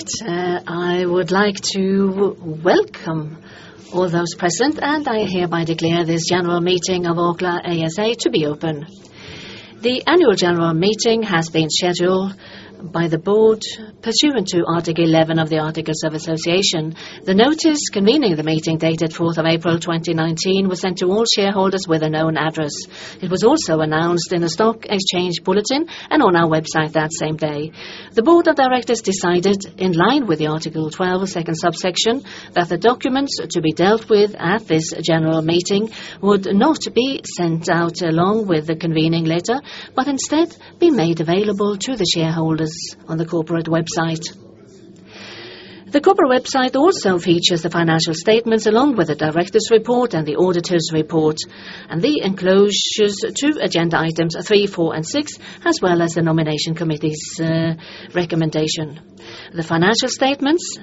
All right, I would like to welcome all those present, and I hereby declare General Meeting of Orkla ASA to be open. The annual General Meeting has been scheduled by the Board pursuant to Article 11 of the Articles of Association. The notice convening the meeting, dated April 4, 2019, was sent to all shareholders with a known address. It was also announced in the stock exchange bulletin and on our website that same day. The Board of directors decided, in line with the Article 12, second subsection, that the documents to be dealt with at this General Meeting would not be sent out along with the convening letter, but instead be made available to the shareholders on the corporate website. The corporate website also features the financial statements, along with the directors' report and the auditors' report, and the enclosures to agenda items three, four, and six, as well as the Nomination Committee's recommendation. The financial statements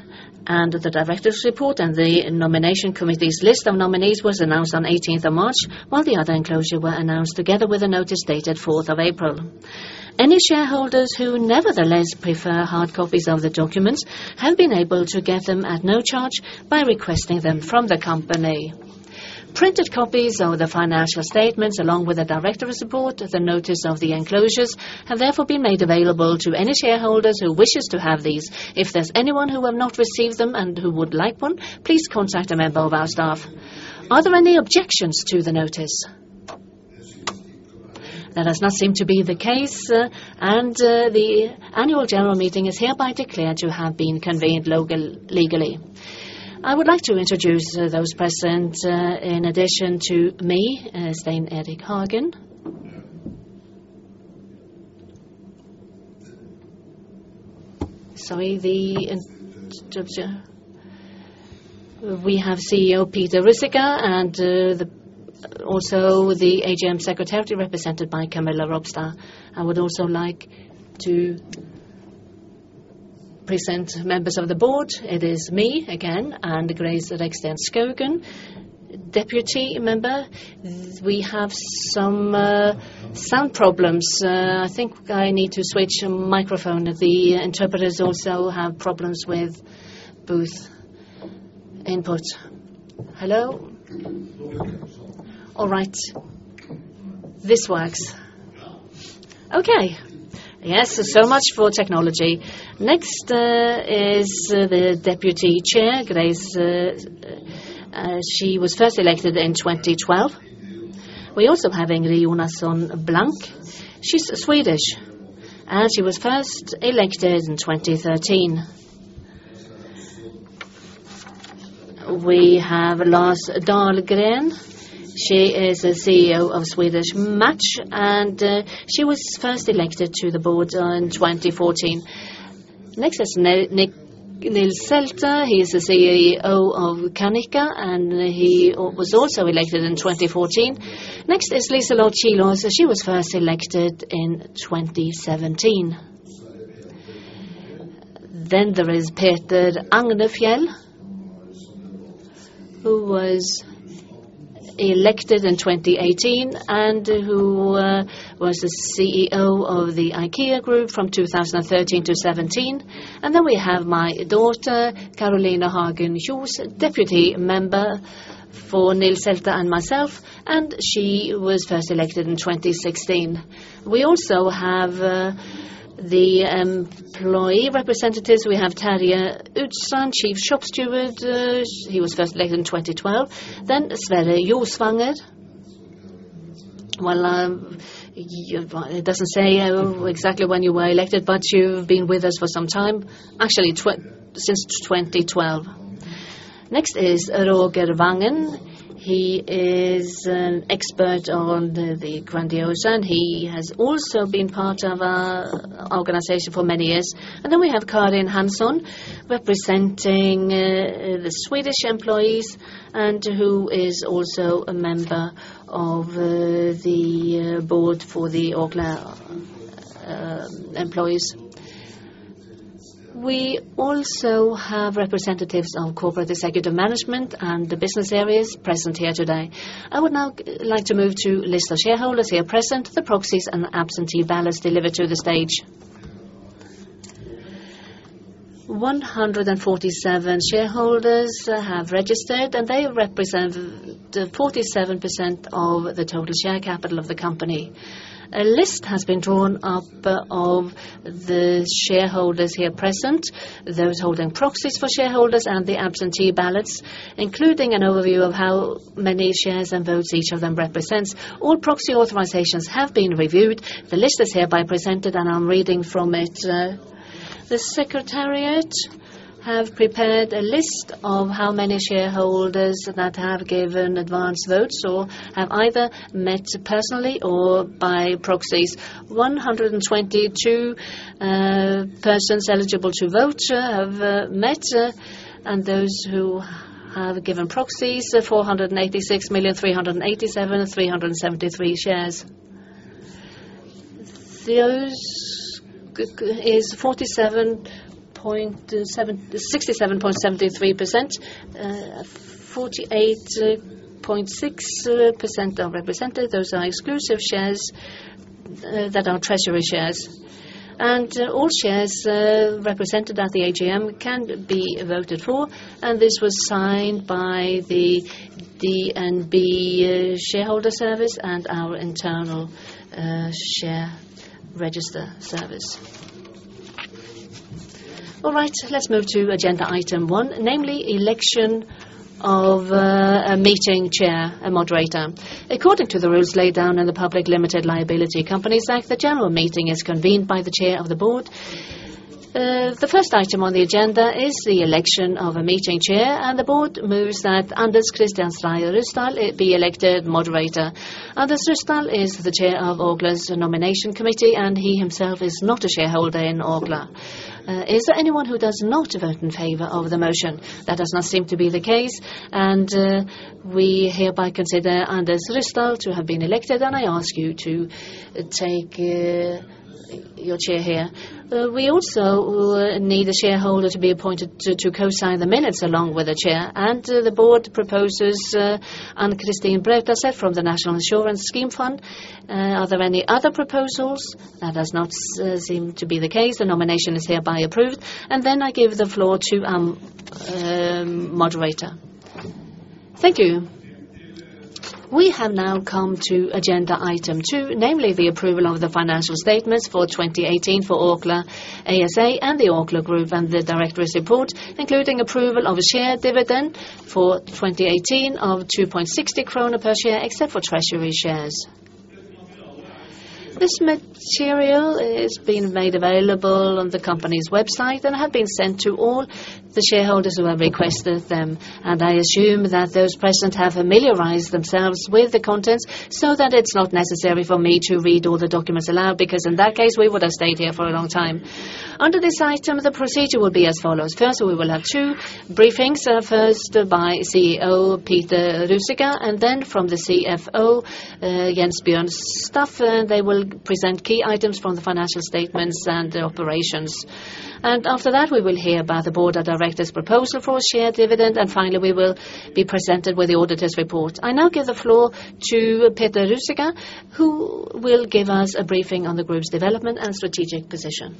and the directors' report and the Nomination Committee's list of nominees was announced on eighteenth of March, while the other enclosure were announced together with a notice dated 4th of April. Any shareholders who nevertheless prefer hard copies of the documents have been able to get them at no charge by requesting them from the company. Printed copies of the financial statements, along with the directors' report, the notice of the enclosures, have therefore been made available to any shareholders who wishes to have these. If there's anyone who have not received them and who would like one, please contact a member of our staff. Are there any objections to the notice? That does not seem to be the case, and the annual General Meeting is hereby declared to have been convened legally. I would like to introduce those present, in addition to me, Stein Erik Hagen. Sorry, the interpreter... We have CEO Peter Ruzicka, and also the AGM secretary, represented by Camilla Robstad. I would also like to present members of the Board. It is me again, and Grace Reksten Skaugen, deputy member. We have some sound problems. I think I need to switch microphone, as the interpreters also have problems with booth input. Hello? All right. This works. Okay. Yes, so much for technology. Next, is the deputy chair, Grace. She was first elected in 2012. We also have Ingrid Jonasson Blank. She's Swedish, and she was first elected in 2013. We have Lars Dahlgren. She is the CEO of Swedish Match, and she was first elected to the Board in 2014. Next is Nils Selte. He is the CEO of Canica, and he was also elected in 2014. Next is Liselott Kilaas. She was first elected in 2017. Then there is Peter Agnefjäll, who was elected in 2018, and who was the CEO of the IKEA Group from 2013 to 2017. And then we have my daughter, Karoline Hagen, deputy member for Nils Selte and myself, and she was first elected in 2016. We also have the employee representatives. We have Terje Utstad, chief shop steward. He was first elected in 2012. Then Sverre Josvanger. Well, it doesn't say exactly when you were elected, but you've been with us for some time, actually since 2012. Next is Roger Vangen. He is an expert on the Grandiosa, and he has also been part of our organization for many years, and then we have Karin Hansson, representing the Swedish employees, and who is also a member of the Board for the Orkla employees. We also have representatives of corporate executive management and the business areas present here today. I would now like to move to the list of shareholders here present, the proxies, and the absentee ballots delivered to the stage. 147 shareholders have registered, and they represent 47% of the total share capital of the company. A list has been drawn up of the shareholders here present, those holding proxies for shareholders and the absentee ballots, including an overview of how many shares and votes each of them represents. All proxy authorizations have been reviewed. The list is hereby presented, and I'm reading from it. The secretariat have prepared a list of how many shareholders that have given advance votes or have either met personally or by proxies. One hundred and twenty-two persons eligible to vote have met, and those who have given proxies, 486,387,373 shares. Those is 67.73%. 48.6% are represented. Those are exclusive shares that are treasury shares. And all shares represented at the AGM can be voted for, and this was signed by the DNB Shareholder Service and our internal share register service. All right, let's move to agenda item one, namely election of a meeting chair, a moderator. According to the rules laid down in the Public Limited Liability Companies Act, the General Meeting is convened by the chair of the Board. The first item on the agenda is the election of a meeting chair, and the Board moves that Anders Christian Stray Ryssdal be elected moderator. Anders Ryssdal is the chair of Orkla's Nomination Committee, and he himself is not a shareholder in Orkla. Is there anyone who does not vote in favor of the motion? That does not seem to be the case, and we hereby consider Anders Ryssdal to have been elected, and I ask you to take your chair here. We also need a shareholder to be appointed to co-sign the minutes along with the chair, and the Board proposes Anne-Kristin Brautaset from the National Insurance Scheme Fund. Are there any other proposals? That does not seem to be the case. The nomination is hereby approved, and then I give the floor to moderator. Thank you. We have now come to agenda item two, namely, the approval of the financial statements for 2018 for Orkla ASA and the Orkla Group, and the director's report, including approval of a share dividend for 2018 of 2.60 kroner per share, except for treasury shares. This material has been made available on the company's website and have been sent to all the shareholders who have requested them, and I assume that those present have familiarized themselves with the contents, so that it's not necessary for me to read all the documents aloud, because in that case, we would have stayed here for a long time. Under this item, the procedure will be as follows. First, we will have two briefings, first by CEO Peter Ruzicka, and then from the CFO, Jens Bjørn Staff. They will present key items from the financial statements and the operations. And after that, we will hear about the Board of directors' proposal for share dividend, and finally, we will be presented with the auditor's report. I now give the floor to Peter Ruzicka, who will give us a briefing on the group's development and strategic position.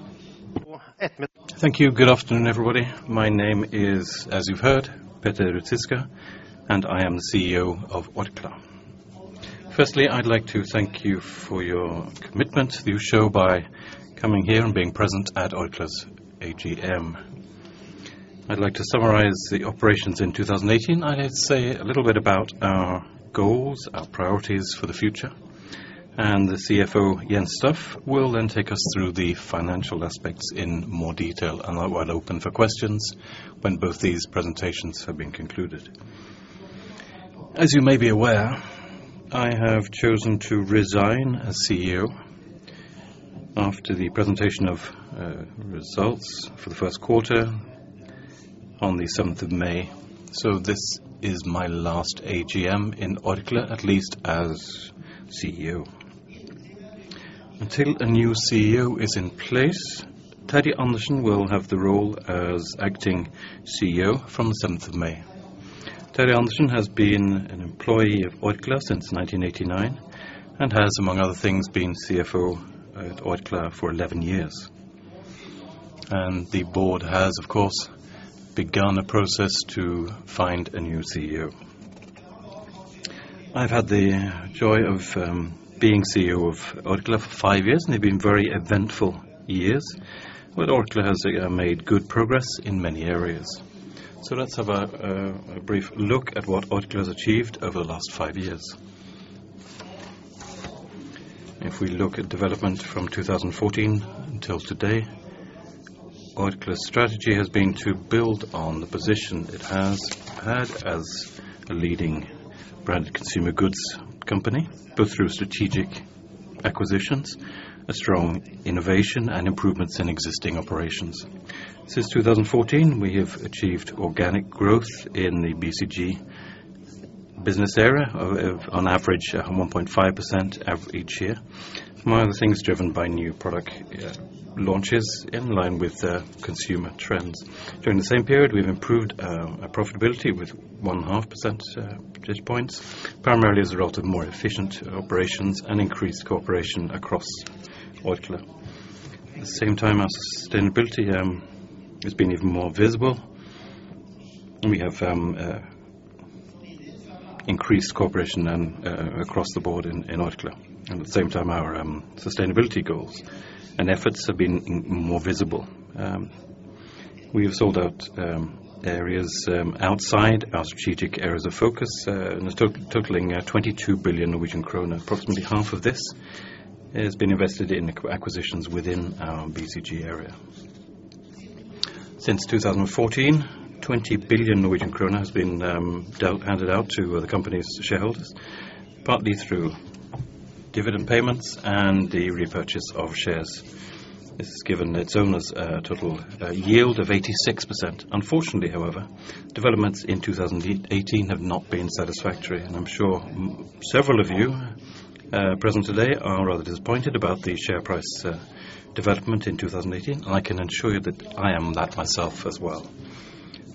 Thank you. Good afternoon, everybody. My name is, as you've heard, Peter Ruzicka, and I am the CEO of Orkla. Firstly, I'd like to thank you for your commitment you show by coming here and being present at Orkla's AGM. I'd like to summarize the operations in 2018. I'd say a little bit about our goals, our priorities for the future, and the CFO, Jens Staff, will then take us through the financial aspects in more detail, and I will open for questions when both these presentations have been concluded. As you may be aware, I have chosen to resign as CEO after the presentation of results for the first quarter on the seventh of May. So this is my last AGM in Orkla, at least as CEO. Until a new CEO is in place, Terje Andersen will have the role as acting CEO from the seventh of May. Terje Andersen has been an employee of Orkla since 1989 and has, among other things, been CFO at Orkla for 11 years. The Board has, of course, begun a process to find a new CEO. I've had the joy of being CEO of Orkla for five years, and they've been very eventful years, but Orkla has made good progress in many areas. Let's have a brief look at what Orkla has achieved over the last five years. If we look at development from 2014 until today, Orkla's strategy has been to build on the position it has had as a leading brand consumer goods company, both through strategic acquisitions, a strong innovation, and improvements in existing operations. Since 2014, we have achieved organic growth in the BCG business area of, on average, 1.5% each year. Among other things, driven by new product launches in line with the consumer trends. During the same period, we've improved our profitability with 1.5 percentage points, primarily as a result of more efficient operations and increased cooperation across Orkla. At the same time, our sustainability has been even more visible, and we have increased cooperation across the Board in Orkla. And at the same time, our sustainability goals and efforts have been more visible. We have sold out areas outside our strategic areas of focus, and totaling 22 billion Norwegian krone. Approximately half of this has been invested in acquisitions within our BCG area. Since 2014, 20 billion Norwegian kroner has been handed out to the company's shareholders, partly through dividend payments and the repurchase of shares. This has given its owners a total yield of 86%. Unfortunately, however, developments in 2018 have not been satisfactory, and I'm sure several of you present today are rather disappointed about the share price development in 2018, and I can assure you that I am that myself as well.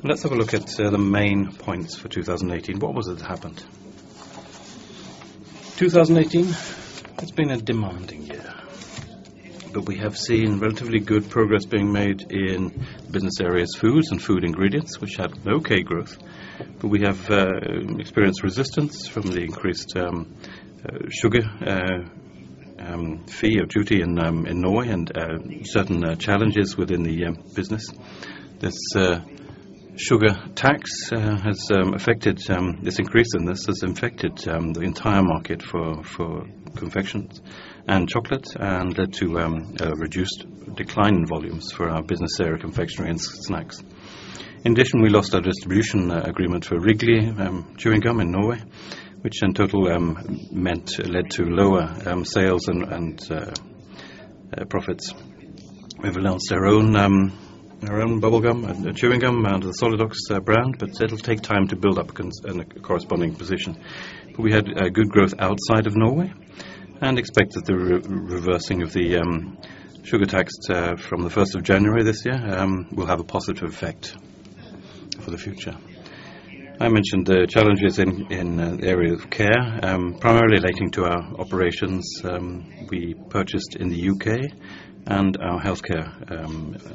Let's have a look at the main points for 2018. What was it that happened? 2018, it's been a demanding year, but we have seen relatively good progress being made in business areas, foods and food ingredients, which had okay growth. But we have experienced resistance from the increased sugar fee or duty in Norway, and certain challenges within the business. This sugar tax has affected this increase, and this has affected the entire market for confections and chocolate, and led to reduced decline in volumes for our business area, confectionery and snacks. In addition, we lost our distribution agreement for Wrigley chewing gum in Norway, which in total meant led to lower sales and profits. We've announced our own bubblegum and chewing gum under the Solidox brand, but it'll take time to build up and a corresponding position. But we had good growth outside of Norway, and expect that the reversing of the sugar tax from the first of January this year will have a positive effect for the future. I mentioned the challenges in the area of care primarily relating to our operations we purchased in the U.K. and our healthcare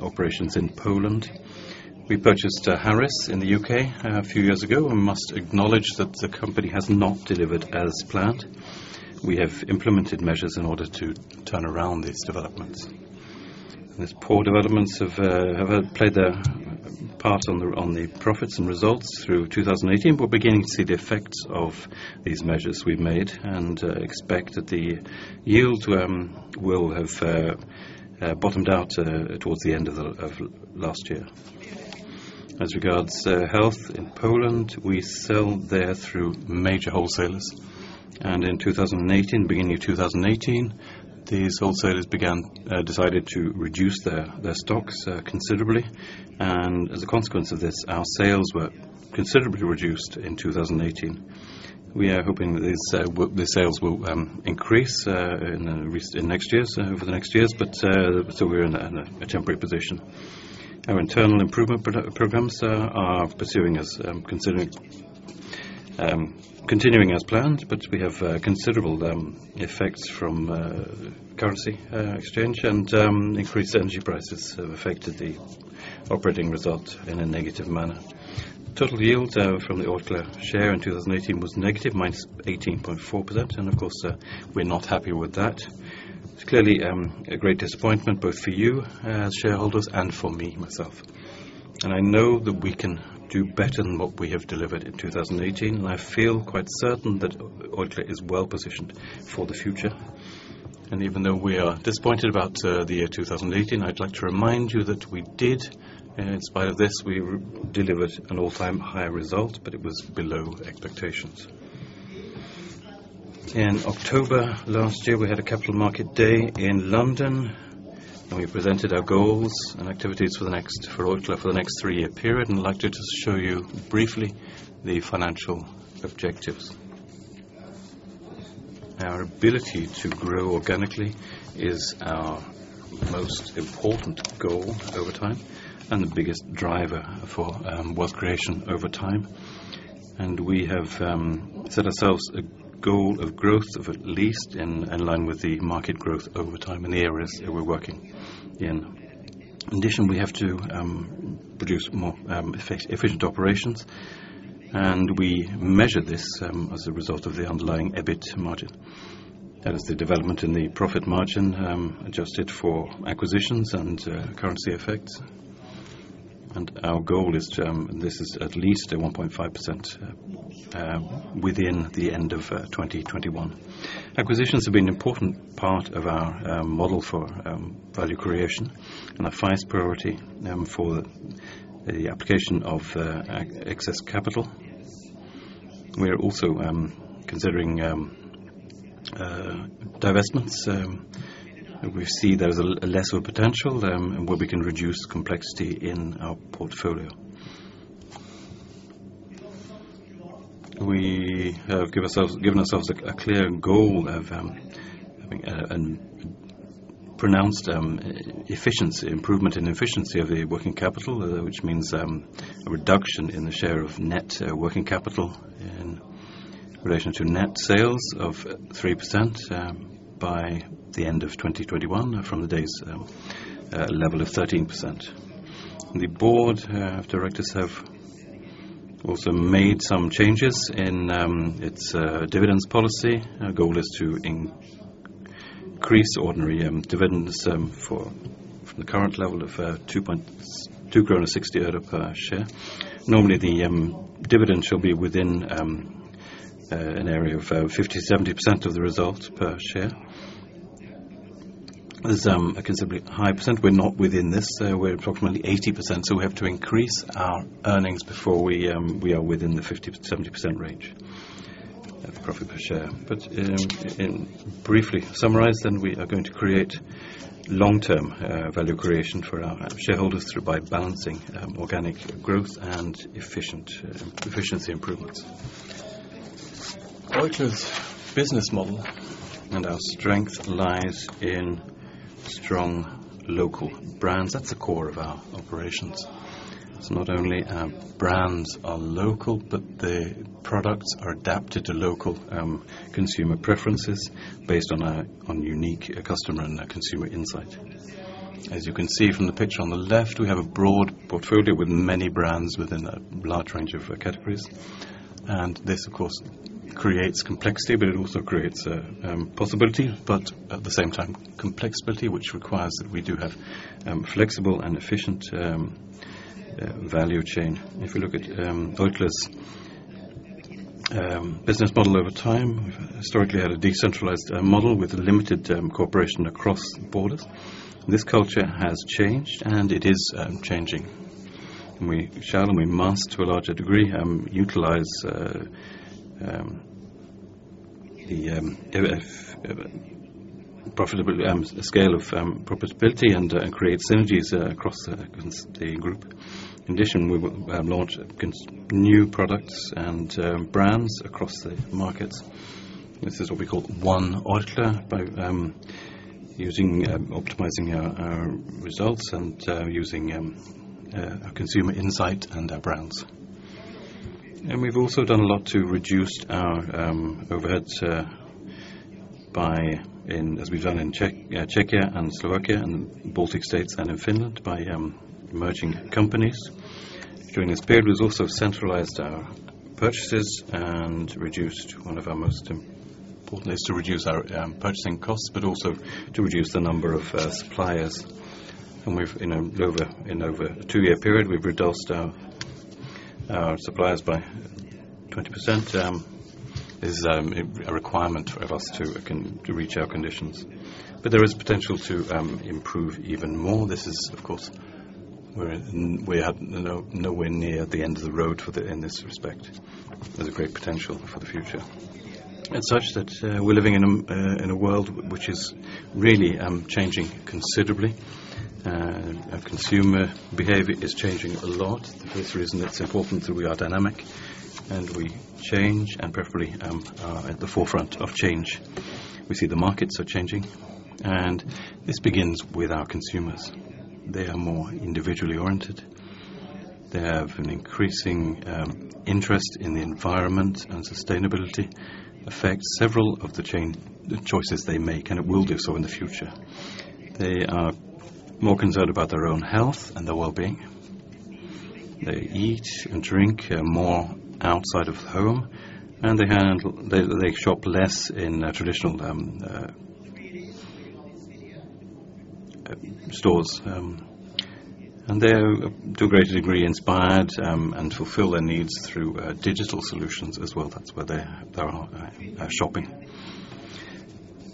operations in Poland. We purchased Hagen in the U.K. a few years ago, and must acknowledge that the company has not delivered as planned. We have implemented measures in order to turn around these developments. These poor developments have played a part on the profits and results through 2018. We're beginning to see the effects of these measures we've made, and expect that the yields will have bottomed out towards the end of last year. As regards health in Poland, we sell there through major wholesalers, and in 2018, beginning of 2018, these wholesalers decided to reduce their stocks considerably. As a consequence of this, our sales were considerably reduced in 2018. We are hoping that the sales will increase in next years over the next years, but so we're in a temporary position. Our internal improvement programs are continuing as planned, but we have considerable effects from currency exchange, and increased energy prices have affected the operating result in a negative manner. Total yield from the Orkla share in 2018 was negative, -18.4%, and of course, we're not happy with that. It's clearly a great disappointment, both for you as shareholders and for me, myself. I know that we can do better than what we have delivered in 2018, and I feel quite certain that Orkla is well positioned for the future. And even though we are disappointed about the year 2018, I'd like to remind you that we did, and in spite of this, we delivered an all-time high result, but it was below expectations. In October last year, we had a Capital Market Day in London, and we presented our goals and activities for the next, for Orkla, for the next three-year period, and I'd like to just show you briefly the financial objectives. Our ability to grow organically is our most important goal over time, and the biggest driver for wealth creation over time. And we have set ourselves a goal of growth of at least in line with the market growth over time in the areas that we're working in. In addition, we have to produce more efficient operations, and we measure this as a result of the underlying EBIT margin. That is the development in the profit margin, adjusted for acquisitions and currency effects, and our goal is to this is at least 1.5% within the end of 2021. Acquisitions have been an important part of our model for value creation and our first priority for the application of excess capital. We are also considering divestments, we see there is a lesser potential where we can reduce complexity in our portfolio. We have given ourselves a clear goal of improved efficiency of the working capital, which means a reduction in the share of net working capital in relation to net sales of 3%, by the end of 2021, from today's level of 13%. The Board of Directors have also made some changes in its dividend policy. Our goal is to increase ordinary dividends from the current level of 2.60 NOK per share. Normally, the dividend should be within an area of 50%-70% of the results per share. It's a considerably high percentage. We're not within this. We're approximately 80%, so we have to increase our earnings before we are within the 50%-70% range of the profit per share. But, in briefly summarize, then we are going to create long-term value creation for our shareholders through by balancing organic growth and efficient efficiency improvements. Orkla's business model and our strength lies in strong local brands. That's the core of our operations. It's not only our brands are local, but the products are adapted to local consumer preferences based on a unique customer and consumer insight. As you can see from the picture on the left, we have a broad portfolio with many brands within a large range of categories. This, of course, creates complexity, but it also creates a possibility, but at the same time, complexity, which requires that we do have flexible and efficient value chain. If you look at Orkla's business model over time, historically had a decentralized model with limited cooperation across borders. This culture has changed, and it is changing. We shall, and we must, to a larger degree, utilize the scale of profitability and create synergies across the group. In addition, we will launch new products and brands across the markets. This is what we call One Orkla, by using optimizing our results and using our consumer insight and our brands. And we've also done a lot to reduce our overheads, as we've done in Czechia and Slovakia and Baltic States and in Finland, by merging companies. During this period, we've also centralized our purchases and reduced one of our most important is to reduce our purchasing costs, but also to reduce the number of suppliers. And we've, in over a two-year period, we've reduced our suppliers by 20%. A requirement of us to reach our conditions. But there is potential to improve even more. This is, of course, we're at nowhere near the end of the road for in this respect. There's a great potential for the future. And such that we're living in a world which is really changing considerably. Our consumer behavior is changing a lot. The first reason it's important that we are dynamic, and we change, and preferably at the forefront of change. We see the markets are changing, and this begins with our consumers. They are more individually oriented. They have an increasing interest in the environment, and sustainability affects several of the choices they make, and it will do so in the future. They are more concerned about their own health and their well-being. They eat and drink more outside of home, and they shop less in traditional stores. And they're, to a great degree, inspired and fulfill their needs through digital solutions as well. That's where they are shopping.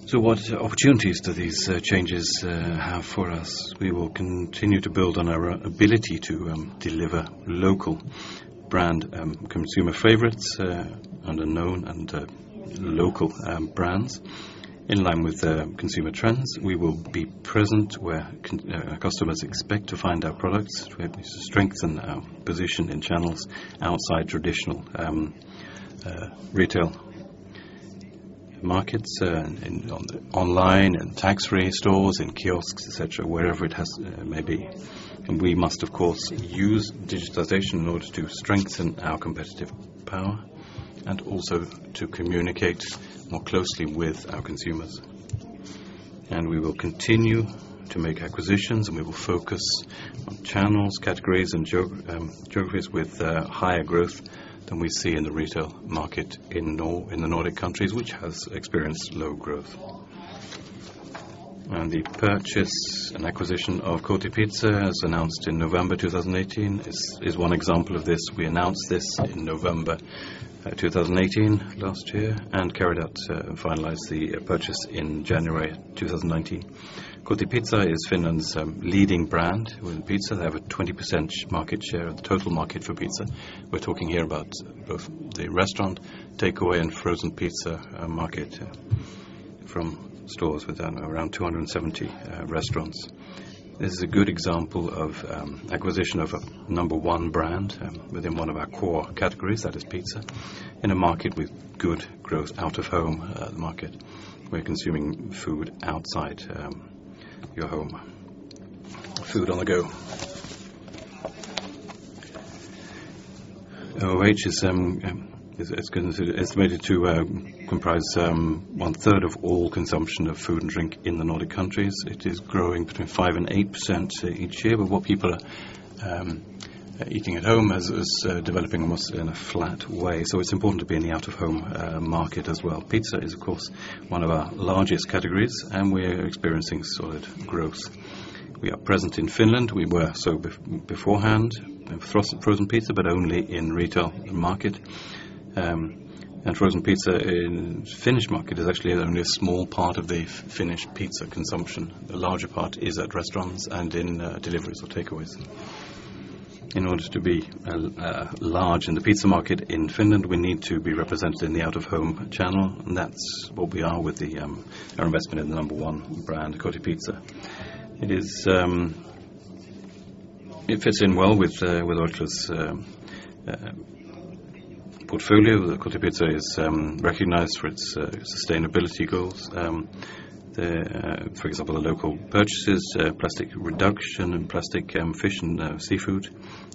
So what opportunities do these changes have for us? We will continue to build on our ability to deliver local brand consumer favorites and unknown local brands. In line with the consumer trends, we will be present where customers expect to find our products. We have to strengthen our position in channels outside traditional retail markets in online and tax-free stores and kiosks, et cetera, wherever it has maybe. And we must, of course, use digitization in order to strengthen our competitive power and also to communicate more closely with our consumers. And we will continue to make acquisitions, and we will focus on channels, categories, and geographies with higher growth than we see in the retail market in the Nordic countries, which has experienced low growth. The purchase and acquisition of Kotipizza, as announced in November 2018, is one example of this. We announced this in November 2018, last year, and carried out and finalized the purchase in January 2019. Kotipizza is Finland's leading brand with pizza. They have a 20% market share of the total market for pizza. We're talking here about both the restaurant, takeaway, and frozen pizza market from stores with around 270 restaurants. This is a good example of acquisition of a number one brand within one of our core categories, that is pizza, in a market with good growth out-of-home market, where consuming food outside your home, food on the go. OOH is considered estimated to comprise 1/3 of all consumption of food and drink in the Nordic countries. It is growing between 5% and 8% each year, but what people are eating at home is developing almost in a flat way. So it's important to be in the out-of-home market as well. Pizza is, of course, one of our largest categories, and we are experiencing solid growth. We are present in Finland. We were beforehand with frozen pizza, but only in retail market, and frozen pizza in Finnish market is actually only a small part of the Finnish pizza consumption. The larger part is at restaurants and in deliveries or takeaways. In order to be large in the pizza market in Finland, we need to be represented in the out-of-home channel, and that's what we are with our investment in the number one brand, Kotipizza. It is... It fits in well with Orkla's portfolio. The Kotipizza is recognized for its sustainability goals. For example, the local purchases, plastic reduction and plastic, fish and seafood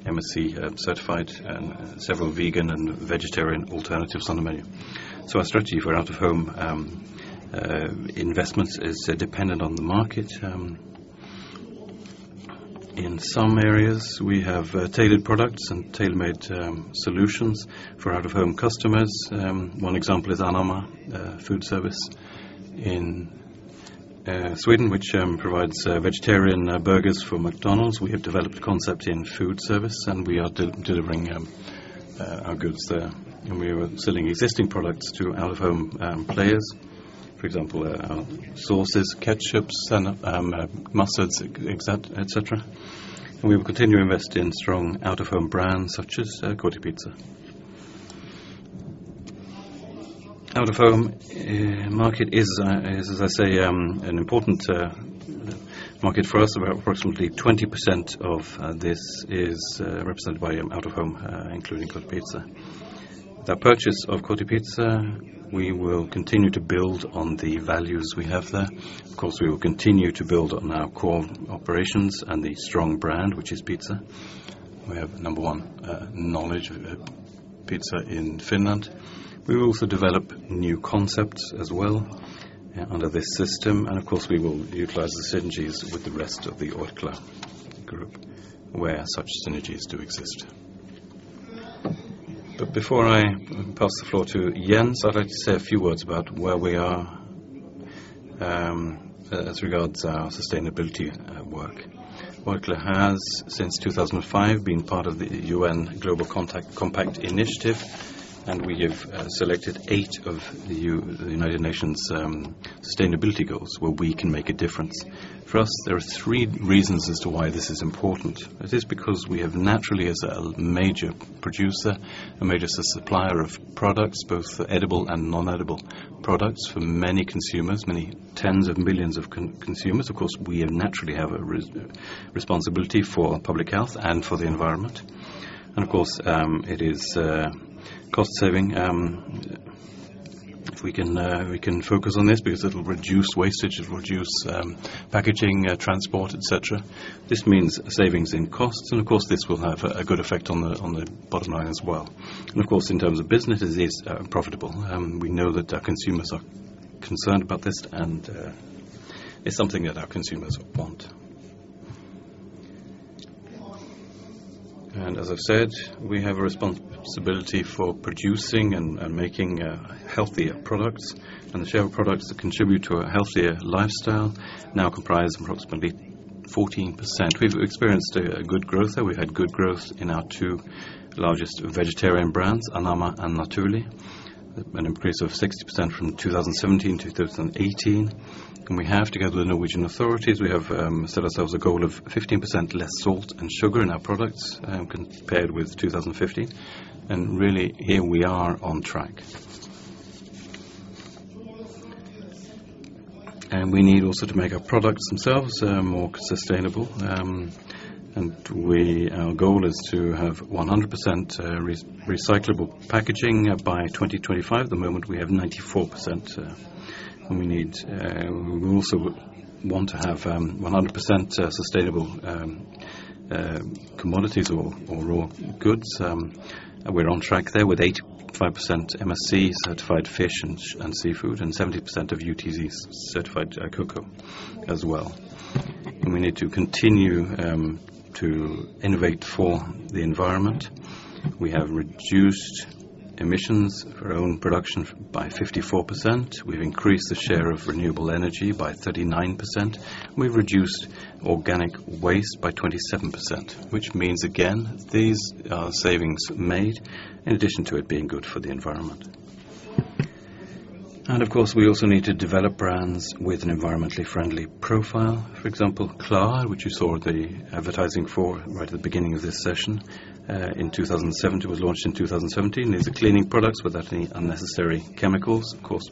MSC certified, and several vegan and vegetarian alternatives on the menu. So our strategy for out-of-home investments is dependent on the market. In some areas, we have tailored products and tailor-made solutions for out-of-home customers. One example is Anamma food service in Sweden, which provides vegetarian burgers for McDonald's. We have developed a concept in food service, and we are delivering our goods there, and we are selling existing products to out-of-home players. For example, our sauces, ketchups, and mustards, et cetera. And we will continue to invest in strong out-of-home brands, such as Kotipizza. Out-of-home market is, as I say, an important market for us. About approximately 20% of this is represented by out-of-home, including Kotipizza. The purchase of Kotipizza, we will continue to build on the values we have there. Of course, we will continue to build on our core operations and the strong brand, which is pizza. We have number one knowledge of pizza in Finland. We will also develop new concepts as well under this system, and of course, we will utilize the synergies with the rest of the Orkla group, where such synergies do exist. But before I pass the floor to Jens, I'd like to say a few words about where we are, as regards our sustainability at work. Orkla has, since 2005, been part of the UN Global Compact initiative, and we have selected eight of the United Nations sustainability goals, where we can make a difference. For us, there are three reasons as to why this is important. It is because we have naturally, as a major producer, a major supplier of products, both edible and non-edible products, for many consumers, many tens of millions of consumers. Of course, we naturally have a responsibility for public health and for the environment. And of course, it is cost-saving. If we can focus on this, because it'll reduce wastage, it'll reduce packaging, transport, et cetera. This means savings in costs, and of course, this will have a good effect on the bottom line as well. And of course, in terms of business, it is profitable. We know that our consumers are concerned about this, and it's something that our consumers want. And as I've said, we have a responsibility for producing and making healthier products. And the share of products that contribute to a healthier lifestyle now comprise approximately 14%. We've experienced a good growth there. We've had good growth in our two largest vegetarian brands, Anamma and Naturli’, an increase of 60% from 2017 to 2018. And we have, together with Norwegian authorities, set ourselves a goal of 15% less salt and sugar in our products, compared with 2015. And really, here we are on track. And we need also to make our products themselves more sustainable. And our goal is to have 100% recyclable packaging by 2025. At the moment, we have 94%, and we need. We also want to have 100% sustainable commodities or raw goods. We're on track there with 85% MSC-certified fish and seafood, and 70% of UTZ-certified cocoa as well. And we need to continue to innovate for the environment. We have reduced emissions of our own production by 54%. We've increased the share of renewable energy by 39%. We've reduced organic waste by 27%, which means, again, these are savings made in addition to it being good for the environment. And of course, we also need to develop brands with an environmentally friendly profile. For example, Klar, which you saw the advertising for right at the beginning of this session, in 2017, was launched in 2017. These are cleaning products without any unnecessary chemicals. Of course,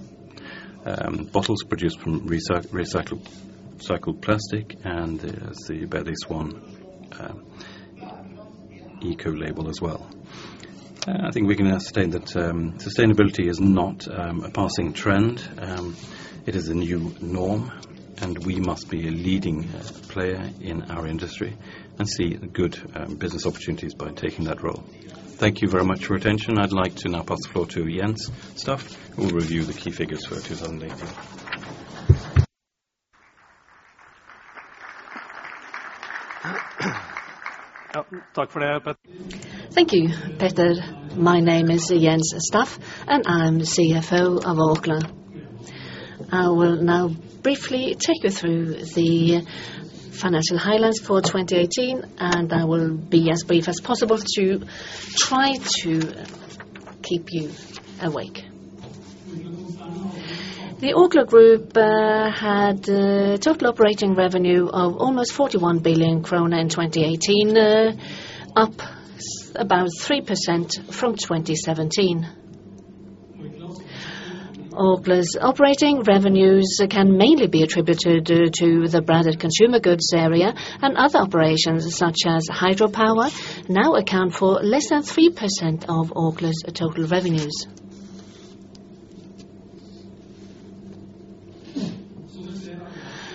bottles produced from recycled plastic and there's the Swan eco label as well. I think we can now state that sustainability is not a passing trend. It is a new norm, and we must be a leading player in our industry and see good business opportunities by taking that role. Thank you very much for your attention. I'd like to now pass the floor to Jens Staff, who will review the key figures for 2018. Thank you, Peter. My name is Jens Staff, and I'm the CFO of Orkla. I will now briefly take you through the financial highlights for 2018, and I will be as brief as possible to try to keep you awake. The Orkla group had a total operating revenue of almost 41 billion krone in 2018, up about 3% from 2017. Orkla's operating revenues can mainly be attributed due to the branded consumer goods area, and other operations, such as hydropower, now account for less than 3% of Orkla's total revenues.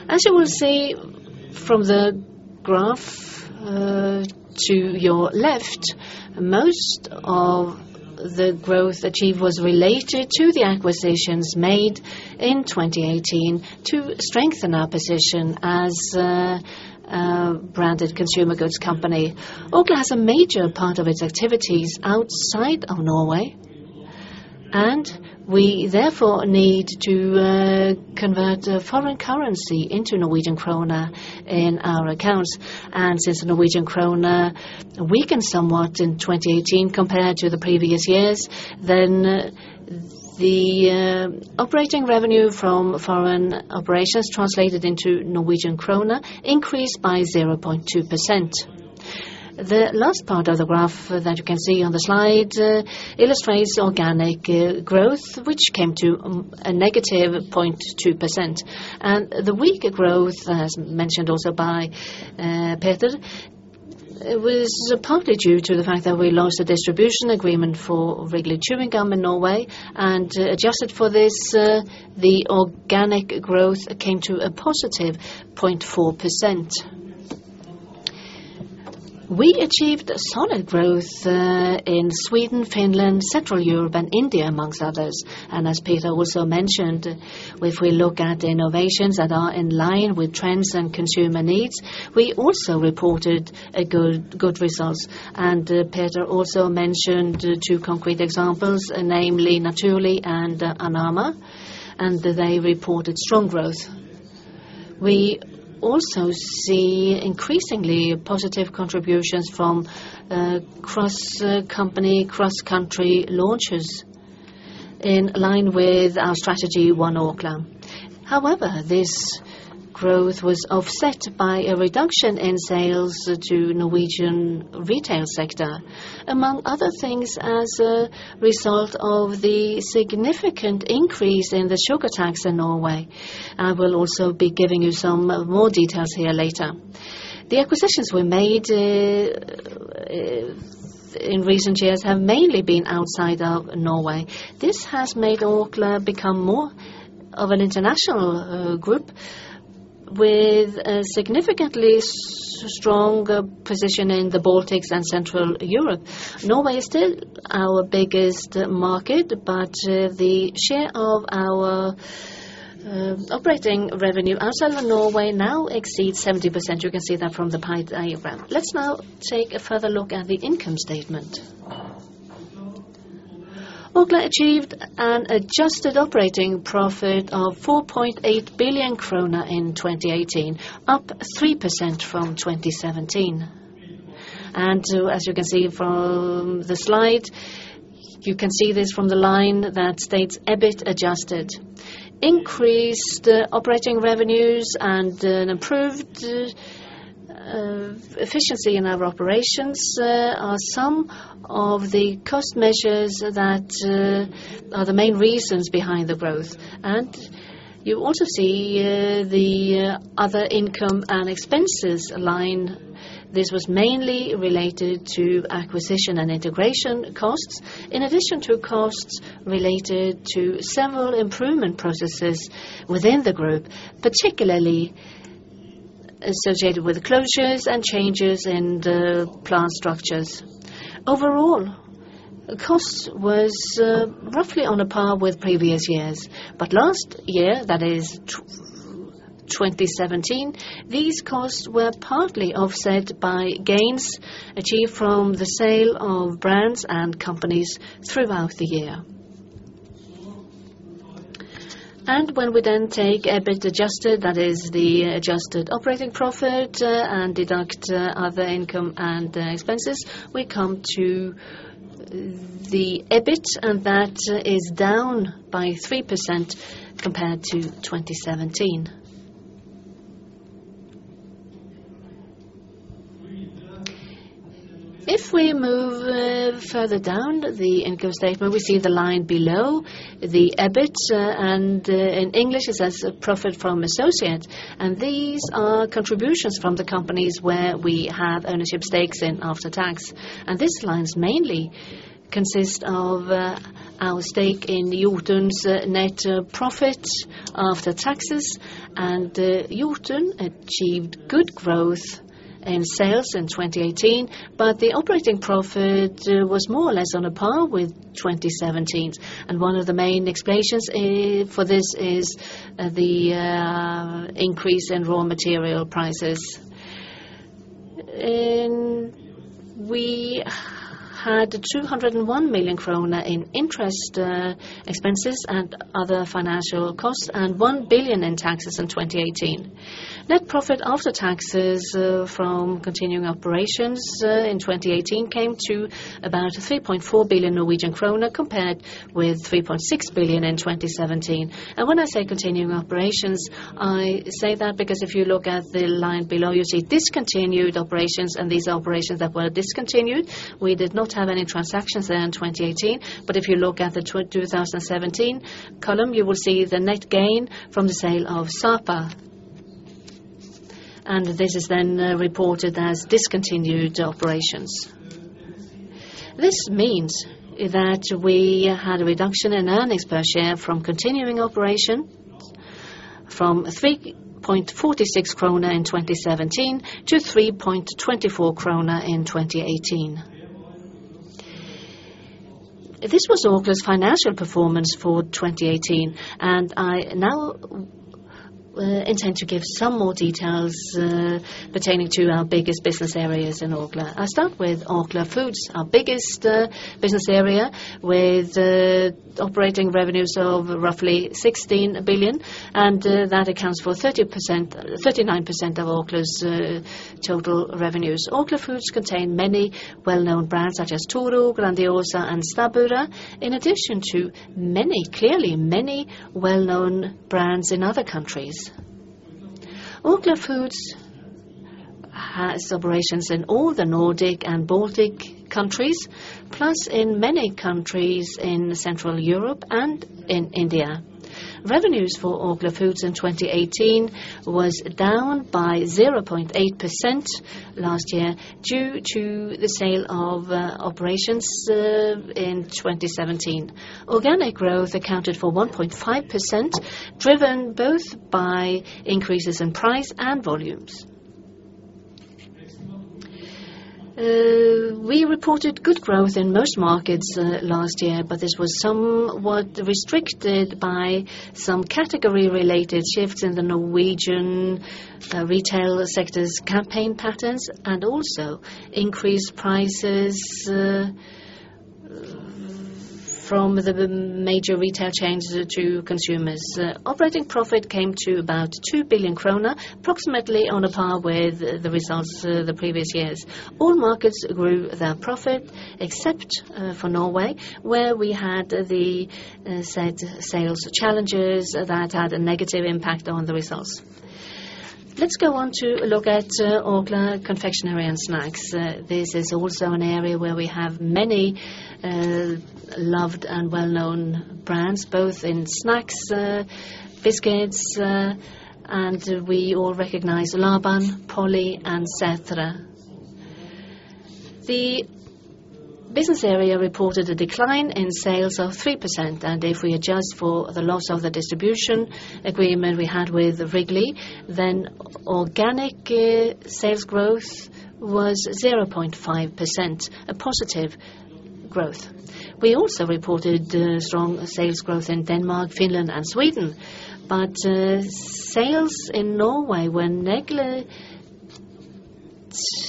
As you will see from the graph to your left, most of the growth achieved was related to the acquisitions made in 2018 to strengthen our position as a branded consumer goods company. Orkla has a major part of its activities outside of Norway, and we therefore need to convert foreign currency into Norwegian krone in our accounts. And since the Norwegian krone weakened somewhat in 2018 compared to the previous years, then the operating revenue from foreign operations translated into Norwegian krone increased by 0.2%. The last part of the graph that you can see on the slide illustrates organic growth, which came to a -0.2%. And the weaker growth, as mentioned also by Peter, was partly due to the fact that we lost a distribution agreement for Wrigley chewing gum in Norway, and adjusted for this, the organic growth came to a +0.4%. We achieved a solid growth in Sweden, Finland, Central Europe, and India, amongst others. As Peter also mentioned, if we look at innovations that are in line with trends and consumer needs, we also reported good results. Peter also mentioned two concrete examples, namely Naturli’ and Anamma, and they reported strong growth. We also see increasingly positive contributions from cross-company, cross-country launches in line with our strategy, One Orkla. However, this growth was offset by a reduction in sales to Norwegian retail sector, among other things, as a result of the significant increase in the sugar tax in Norway. I will also be giving you some more details here later. The acquisitions we made in recent years have mainly been outside of Norway. This has made Orkla become more of an international group with a significantly stronger position in the Baltics and Central Europe. Norway is still our biggest market, but, the share of our, operating revenue outside of Norway now exceeds 70%. You can see that from the pie diagram. Let's now take a further look at the income statement. Orkla achieved an adjusted operating profit of 4.8 billion krone in 2018, up 3% from 2017. And as you can see from the slide, you can see this from the line that states EBIT adjusted. Increased operating revenues and an improved, efficiency in our operations, are some of the cost measures that, are the main reasons behind the growth. And you also see, the other income and expenses line. This was mainly related to acquisition and integration costs, in addition to costs related to several improvement processes within the group, particularly associated with closures and changes in the plant structures. Overall, cost was roughly on a par with previous years, but last year, that is 2017, these costs were partly offset by gains achieved from the sale of brands and companies throughout the year. When we then take EBIT adjusted, that is the adjusted operating profit, and deduct other income and expenses, we come to the EBIT, and that is down by 3% compared to 2017. If we move further down the income statement, we see the line below the EBIT, and in English, it says profit from associate, and these are contributions from the companies where we have ownership stakes in after tax. This line mainly consists of our stake in Jotun's net profit after taxes, and Jotun achieved good growth in sales in 2018, but the operating profit was more or less on a par with 2017's. One of the main explanations for this is the increase in raw material prices. We had 201 million krone in interest expenses and other financial costs, and 1 billion in taxes in 2018. Net profit after taxes from continuing operations in 2018 came to about 3.4 billion Norwegian kroner, compared with 3.6 billion in 2017. When I say continuing operations, I say that because if you look at the line below, you see discontinued operations and these operations that were discontinued. We did not have any transactions there in 2018, but if you look at the 2017 column, you will see the net gain from the sale of Sapa, and this is then reported as discontinued operations. This means that we had a reduction in earnings per share from continuing operation from 3.46 krone in 2017 to 3.24 krone in 2018. This was Orkla's financial performance for 2018, and I now intend to give some more details pertaining to our biggest business areas in Orkla. I'll start with Orkla Foods, our biggest business area, with operating revenues of roughly 16 billion, and that accounts for 39% of Orkla's total revenues. Orkla Foods contain many well-known brands, such as Toro, Grandiosa, and Stabburet, in addition to many, clearly many well-known brands in other countries. Orkla Foods has operations in all the Nordic and Baltic countries, plus in many countries in Central Europe and in India. Revenues for Orkla Foods in 2018 was down by 0.8% last year, due to the sale of operations in 2017. Organic growth accounted for 1.5%, driven both by increases in price and volumes. We reported good growth in most markets last year, but this was somewhat restricted by some category-related shifts in the Norwegian retail sector's campaign patterns, and also increased prices from the major retail chains to consumers. Operating profit came to about 2 billion kroner, approximately on a par with the results the previous years. All markets grew their profit, except for Norway, where we had the said sales challenges that had a negative impact on the results. Let's go on to look at Orkla Confectionery and Snacks. This is also an area where we have many loved and well-known brands, both in snacks, biscuits, and we all recognize Laban, Polly, and Sætre. The business area reported a decline in sales of 3%, and if we adjust for the loss of the distribution agreement we had with Wrigley, then organic sales growth was 0.5%, a positive growth. We also reported strong sales growth in Denmark, Finland, and Sweden, but sales in Norway were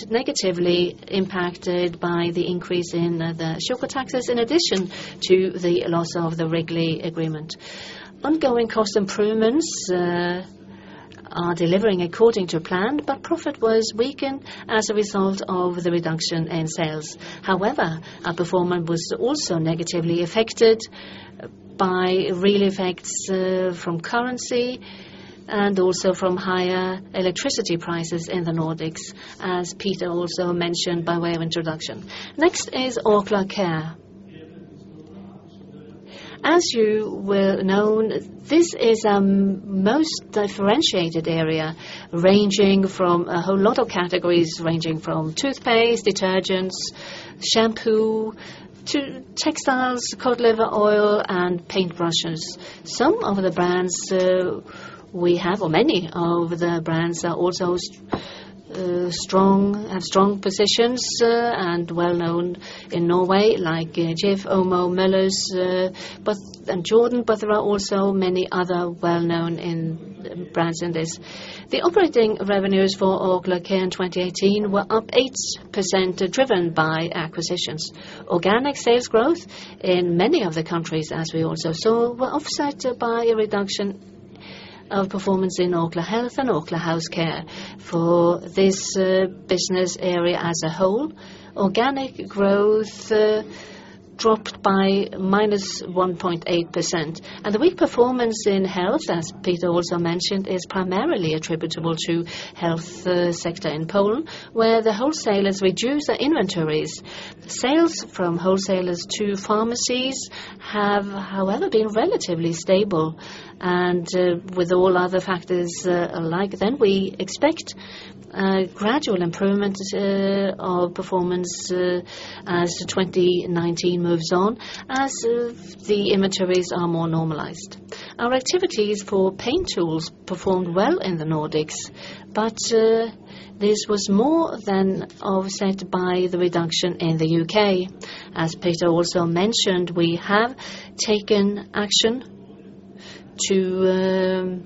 negatively impacted by the increase in the sugar taxes, in addition to the loss of the Wrigley agreement. Ongoing cost improvements are delivering according to plan, but profit was weakened as a result of the reduction in sales. However, our performance was also negatively affected by real effects from currency and also from higher electricity prices in the Nordics, as Peter also mentioned by way of introduction. Next is Orkla Care. As you well know, this is most differentiated area, ranging from a whole lot of categories, ranging from toothpaste, detergents, shampoo, to textiles, cod liver oil, and paintbrushes. Some of the brands we have, or many of the brands, are also strong, have strong positions, and well-known in Norway, like Jif, Omo, Milo, but and Jordan, but there are also many other well-known brands in this. The operating revenues for Orkla Care in 2018 were up 8%, driven by acquisitions. Organic sales growth in many of the countries, as we also saw, were offset by a reduction of performance in Orkla Health and Orkla House Care. For this business area as a whole, organic growth dropped by -1.8%. And the weak performance in health, as Peter also mentioned, is primarily attributable to health sector in Poland, where the wholesalers reduced their inventories. Sales from wholesalers to pharmacies have, however, been relatively stable, and with all other factors alike, then we expect a gradual improvement of performance as 2019 moves on, as the inventories are more normalized. Our activities for paint tools performed well in the Nordics, but this was more than offset by the reduction in the U.K. As Peter also mentioned, we have taken action to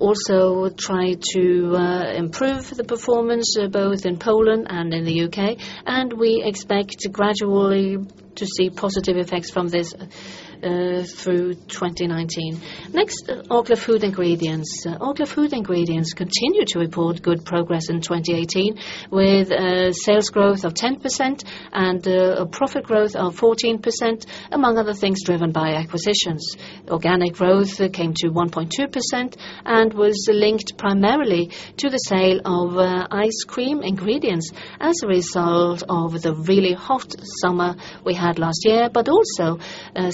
also try to improve the performance both in Poland and in the U.K., and we expect gradually to see positive effects from this through twenty nineteen. Next, Orkla Food Ingredients. Orkla Food Ingredients continued to report good progress in 2018, with sales growth of 10% and a profit growth of 14%, among other things, driven by acquisitions. Organic growth came to 1.2% and was linked primarily to the sale of ice cream ingredients as a result of the really hot summer we had last year, but also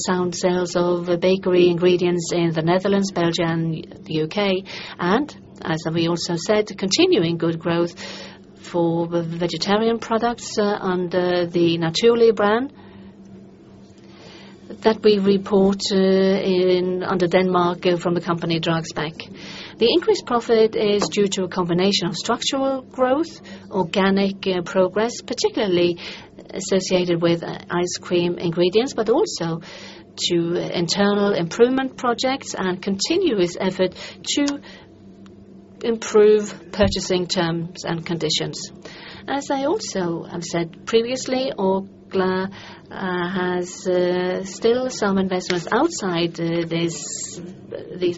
sound sales of bakery ingredients in the Netherlands, Belgium, the U.K., and, as we also said, continuing good growth for the vegetarian products under the Naturli' brand that we report in under Denmark from the company Dragsbæk. The increased profit is due to a combination of structural growth, organic progress, particularly associated with ice cream ingredients, but also to internal improvement projects and continuous effort to improve purchasing terms and conditions. As I also have said previously, Orkla has still some investments outside this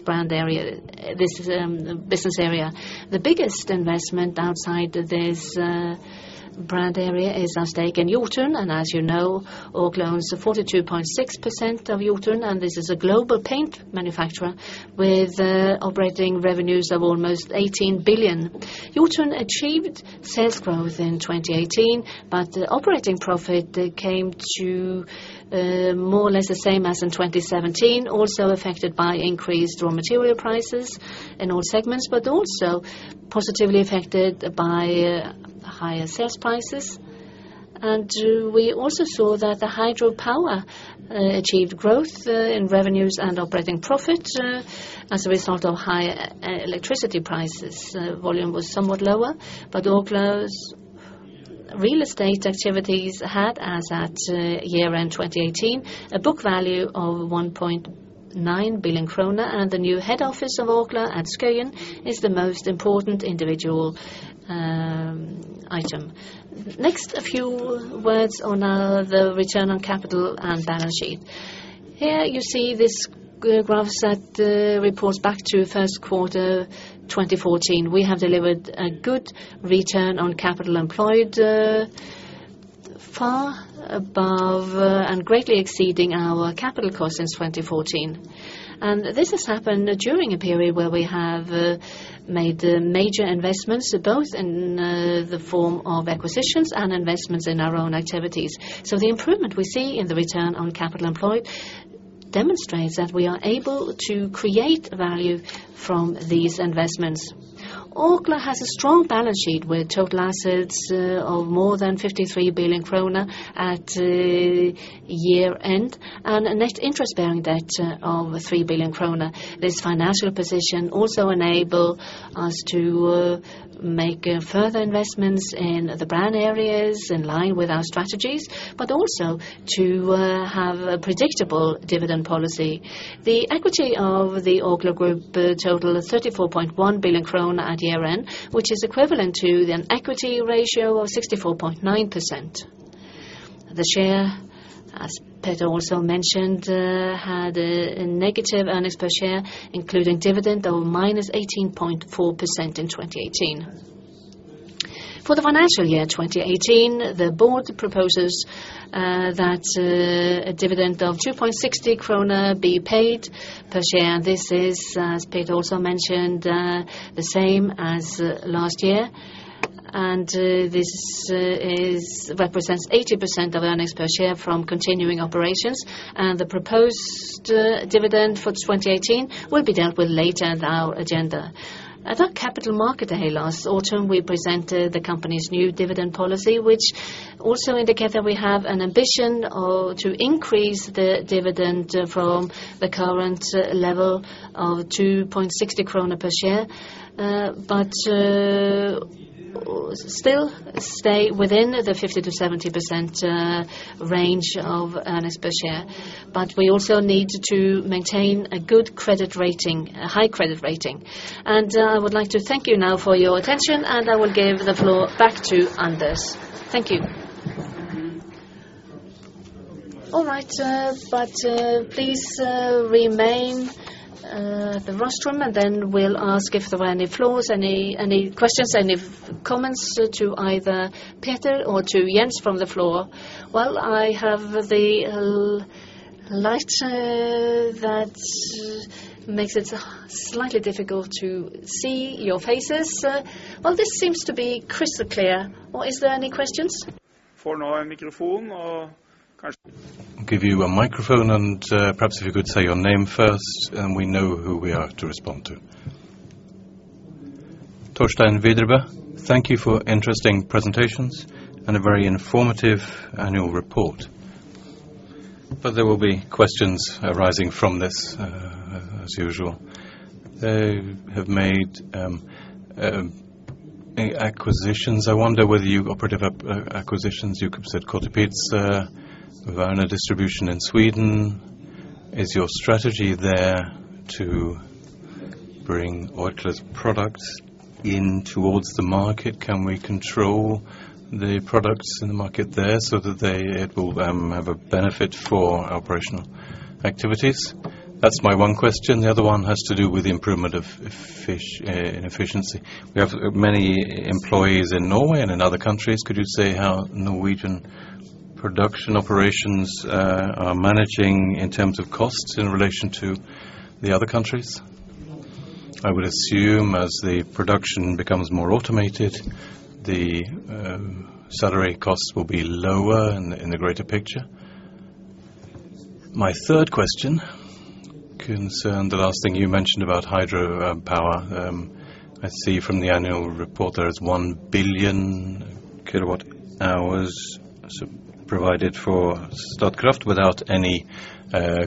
brand area, business area. The biggest investment outside this brand area is our stake in Jotun, and as you know, Orkla owns 42.6% of Jotun, and this is a global paint manufacturer with operating revenues of almost 18 billion. Jotun achieved sales growth in 2018, but operating profit came to more or less the same as in 2017, also affected by increased raw material prices in all segments, but also positively affected by higher sales prices. And we also saw that the hydropower achieved growth in revenues and operating profit as a result of higher electricity prices. Volume was somewhat lower, but Orkla's real estate activities had, as at year-end 2018, a book value of 1.9 billion krone, and the new head office of Orkla at Skøyen is the most important individual item. Next, a few words on the return on capital and balance sheet. Here you see this graph that reports back to first quarter 2014. We have delivered a good return on capital employed far above and greatly exceeding our capital cost since 2014. And this has happened during a period where we have made major investments, both in the form of acquisitions and investments in our own activities. So the improvement we see in the return on capital employed demonstrates that we are able to create value from these investments. Orkla has a strong balance sheet with total assets of more than 53 billion krone at year-end, and a net interest-bearing debt of 3 billion kroner. This financial position also enable us to, make further investments in the brand areas in line with our strategies, but also to, have a predictable dividend policy. The equity of the Orkla group total is 34.1 billion krone at year-end, which is equivalent to an equity ratio of 64.9%. The share, as Peter also mentioned, had a negative earnings per share, including dividend, of -18.4% in 2018. For the financial year 2018, the Board proposes that a dividend of 2.60 krone be paid per share. This is, as Peter also mentioned, the same as last year, and this represents 80% of earnings per share from continuing operations, and the proposed dividend for 2018 will be dealt with later in our agenda. At our capital market day last autumn, we presented the company's new dividend policy, which also indicates that we have an ambition to increase the dividend from the current level of 2.60 krone per share, but still stay within the 50%-70% range of earnings per share, but we also need to maintain a good credit rating, a high credit rating. I would like to thank you now for your attention, and I will give the floor back to Anders. Thank you. All right, but please remain at the rostrum, and then we'll ask if there were any from the floor, any questions, any comments to either Peter or to Jens from the floor. I have the light that makes it slightly difficult to see your faces. This seems to be crystal clear, or is there any questions? I'll give you a microphone, and perhaps if you could say your name first, and then we know who to respond to. Thorstein Widerøe. Thank you for interesting presentations and a very Annual Report. But there will be questions arising from this, as usual. You have made many acquisitions. I wonder whether you have operative acquisitions. You said Kotipizza, Werner Distribution in Sweden. Is your strategy there to bring Orkla's products in towards the market? Can we control the products in the market there so that it will have a benefit for operational activities? That's my one question. The other one has to do with the improvement in efficiency. We have many employees in Norway and in other countries. Could you say how Norwegian production operations are managing in terms of costs in relation to the other countries? I would assume as the production becomes more automated, the salary costs will be lower in the greater picture. My third question concern the last thing you mentioned about hydropower. I see from the Annual Report, there is one billion kilowatt hours provided for Statkraft without any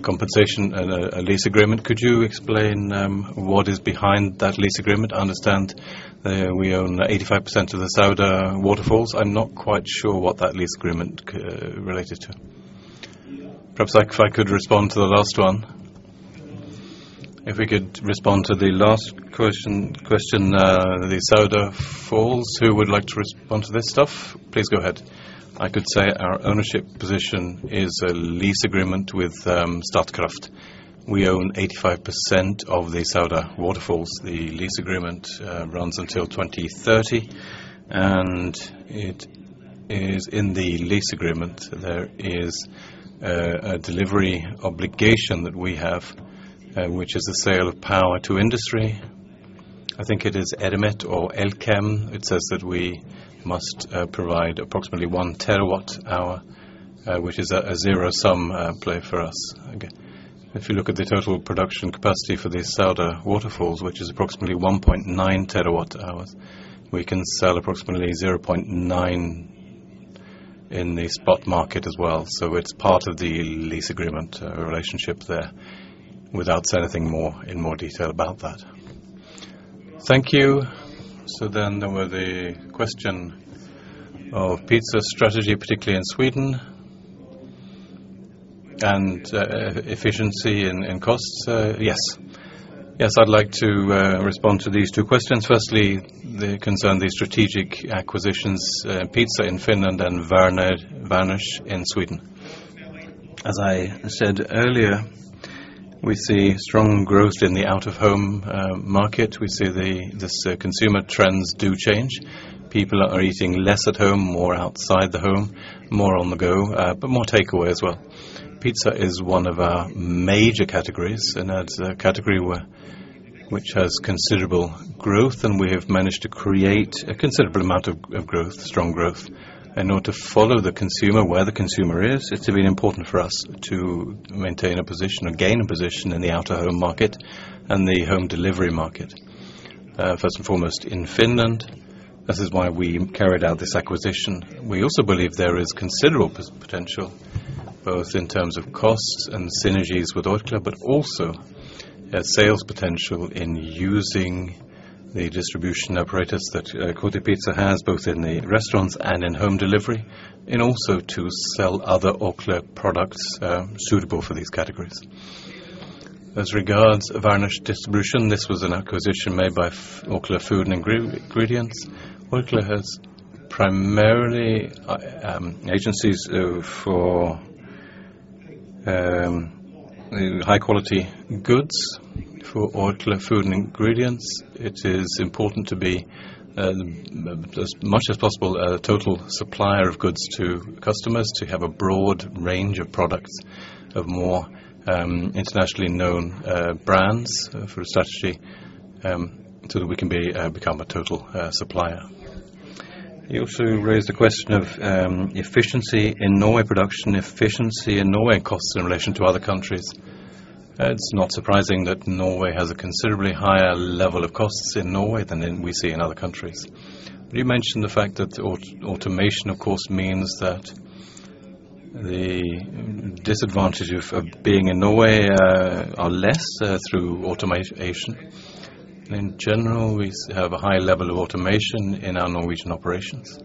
compensation and a lease agreement. Could you explain what is behind that lease agreement? I understand we own 85% of the Sauda Waterfalls. I'm not quite sure what that lease agreement related to. Perhaps if I could respond to the last one. If we could respond to the last question, the Sauda Waterfalls. Who would like to respond to this stuff? Please go ahead. I could say our ownership position is a lease agreement with Statkraft. We own 85% of the Sauda Waterfalls. The lease agreement runs until twenty thirty, and it is in the lease agreement. There is a delivery obligation that we have, which is the sale of power to industry. I think it is Elkem. It says that we must provide approximately one terawatt hour, which is a zero-sum play for us. If you look at the total production capacity for the Sauda Waterfalls, which is approximately one point nine terawatt hours, we can sell approximately 0.9 in the spot market as well. So it's part of the lease agreement relationship there, without saying anything more in more detail about that. Thank you. So then there were the question of pizza strategy, particularly in Sweden, and efficiency in costs. Yes. Yes, I'd like to respond to these two questions. Firstly, they concern the strategic acquisitions, Pizza in Finland and Werners in Sweden. As I said earlier, we see strong growth in the out-of-home market. We see consumer trends do change. People are eating less at home, more outside the home, more on the go, but more takeaway as well. Pizza is one of our major categories, and it's a category which has considerable growth, and we have managed to create a considerable amount of growth, strong growth. In order to follow the consumer, where the consumer is, it's been important for us to maintain a position or gain a position in the out-of-home market and the home delivery market. First and foremost, in Finland, this is why we carried out this acquisition. We also believe there is considerable potential, both in terms of costs and synergies with Orkla, but also a sales potential in using the distribution operators that Kotipizza has, both in the restaurants and in-home delivery, and also to sell other Orkla products suitable for these categories. As regards Werner's distribution, this was an acquisition made by Orkla Food Ingredients. Orkla has primarily agencies for high-quality goods. For Orkla Food Ingredients, it is important to be as much as possible a total supplier of goods to customers, to have a broad range of products of more internationally known brands for strategy, so that we can become a total supplier. You also raised the question of efficiency in Norwegian production, efficiency in Norwegian costs in relation to other countries. It's not surprising that Norway has a considerably higher level of costs in Norway than what we see in other countries. You mentioned the fact that automation, of course, means that the disadvantage of being in Norway are less through automation. In general, we have a high level of automation in our Norwegian operations,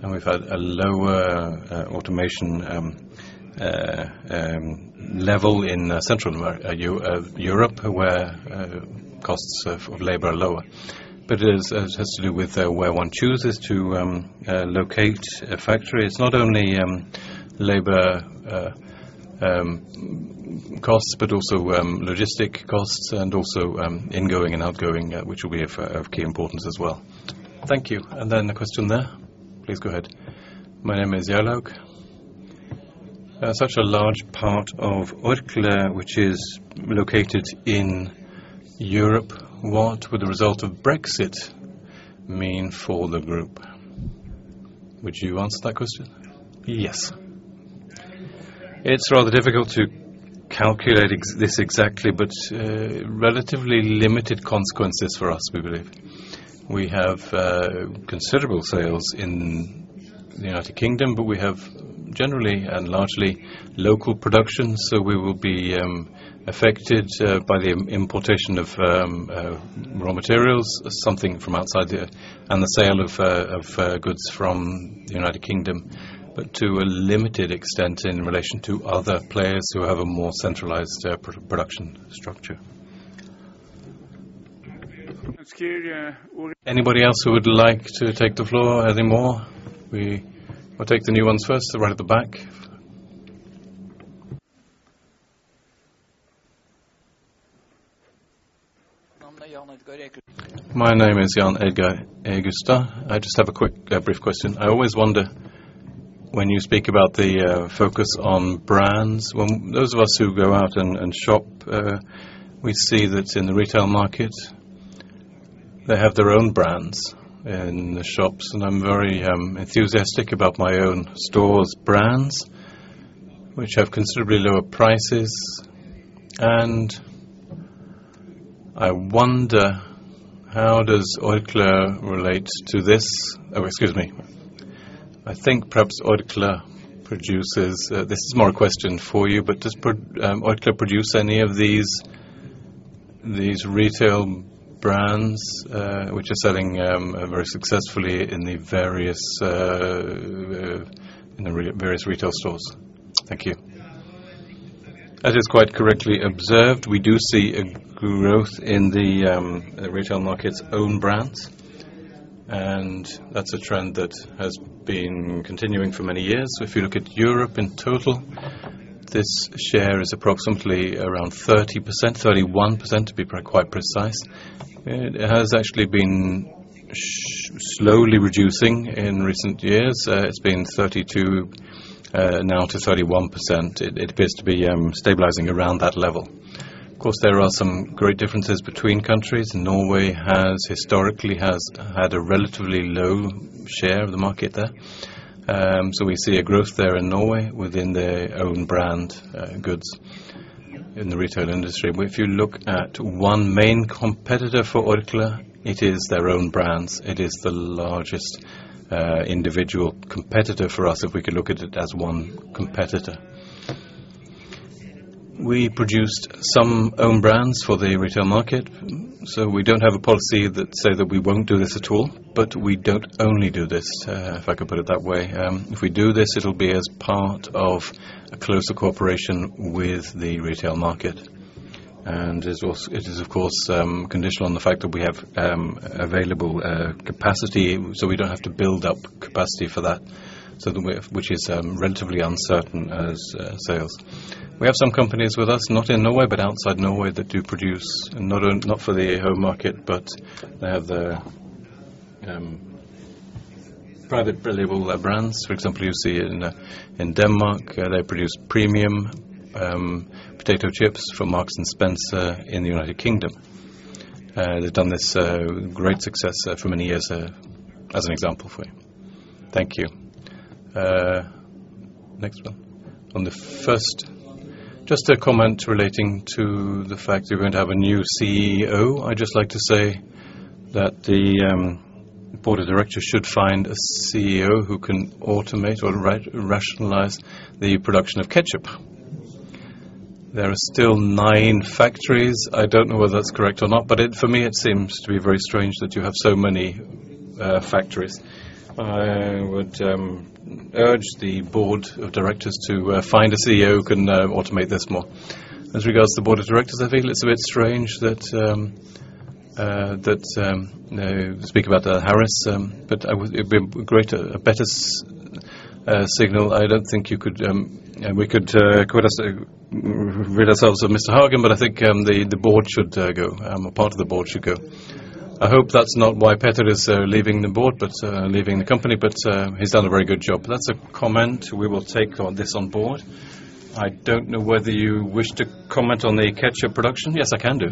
and we've had a lower automation level in Central Europe, where costs of labor are lower. But it is, it has to do with where one chooses to locate a factory. It's not only labor costs, but also logistic costs and also ingoing and outgoing, which will be of key importance as well. Thank you. And then the question there. Please go ahead. My name is Jarle. Such a large part of Orkla, which is located in Europe, what would the result of Brexit mean for the group? Would you answer that question? Yes. It's rather difficult to calculate exactly, but relatively limited consequences for us, we believe. We have considerable sales in the United Kingdom, but we have generally and largely local production, so we will be affected by the importation of raw materials, something from outside the... And the sale of goods from the United Kingdom, but to a limited extent, in relation to other players who have a more centralized production structure. Anybody else who would like to take the floor anymore? We will take the new ones first, the right at the back. My name is Jan Edgar Åsgård. I just have a quick brief question. I always wonder, when you speak about the focus on brands, when those of us who go out and and shop, we see that in the retail market. They have their own brands in the shops, and I'm very enthusiastic about my own stores' brands, which have considerably lower prices, and I wonder, how does Orkla relate to this? Oh, excuse me. I think perhaps Orkla produces, this is more a question for you, but does Orkla produce any of these, these retail brands, which are selling very successfully in the various, in the various retail stores? Thank you. That is quite correctly observed. We do see a growth in the retail market's own brands, and that's a trend that has been continuing for many years. So if you look at Europe in total, this share is approximately around 30%, 31%, to be quite precise. It has actually been slowly reducing in recent years. It's been 32, now to 31%. It appears to be stabilizing around that level. Of course, there are some great differences between countries. Norway has historically had a relatively low share of the market there. So we see a growth there in Norway within their own brand goods in the retail industry. If you look at one main competitor for Orkla, it is their own brands. It is the largest individual competitor for us, if we can look at it as one competitor. We produced some own brands for the retail market, so we don't have a policy that say that we won't do this at all, but we don't only do this, if I could put it that way. If we do this, it'll be as part of a closer cooperation with the retail market. It is, of course, conditional on the fact that we have available capacity, so we don't have to build up capacity for that, so the way of which is relatively uncertain as sales. We have some companies with us, not in Norway, but outside Norway, that do produce, not for the home market, but they have the private label brands. For example, you see in in Denmark, they produce premium potato chips for Marks and Spencer in the United Kingdom. They've done this great success for many years as an example for you. Thank you. Next one. On the first, just a comment relating to the fact you're going to have a new CEO. I'd just like to say that the Board of directors should find a CEO who can automate or rationalize the production of ketchup. There are still nine factories. I don't know whether that's correct or not, but for me, it seems to be very strange that you have so many factories. I would urge the Board of directors to find a CEO who can automate this more. As regards to the Board of directors, I think it's a bit strange that they speak about Hagen, but it would be great, a better signal. I don't think we could rid ourselves of Mr. Hagen, but I think the Board should go. A part of the Board should go. I hope that's not why Peter is leaving the Board but leaving the company, but he's done a very good job. That's a comment we will take on Board. I don't know whether you wish to comment on the ketchup production? Yes, I can do.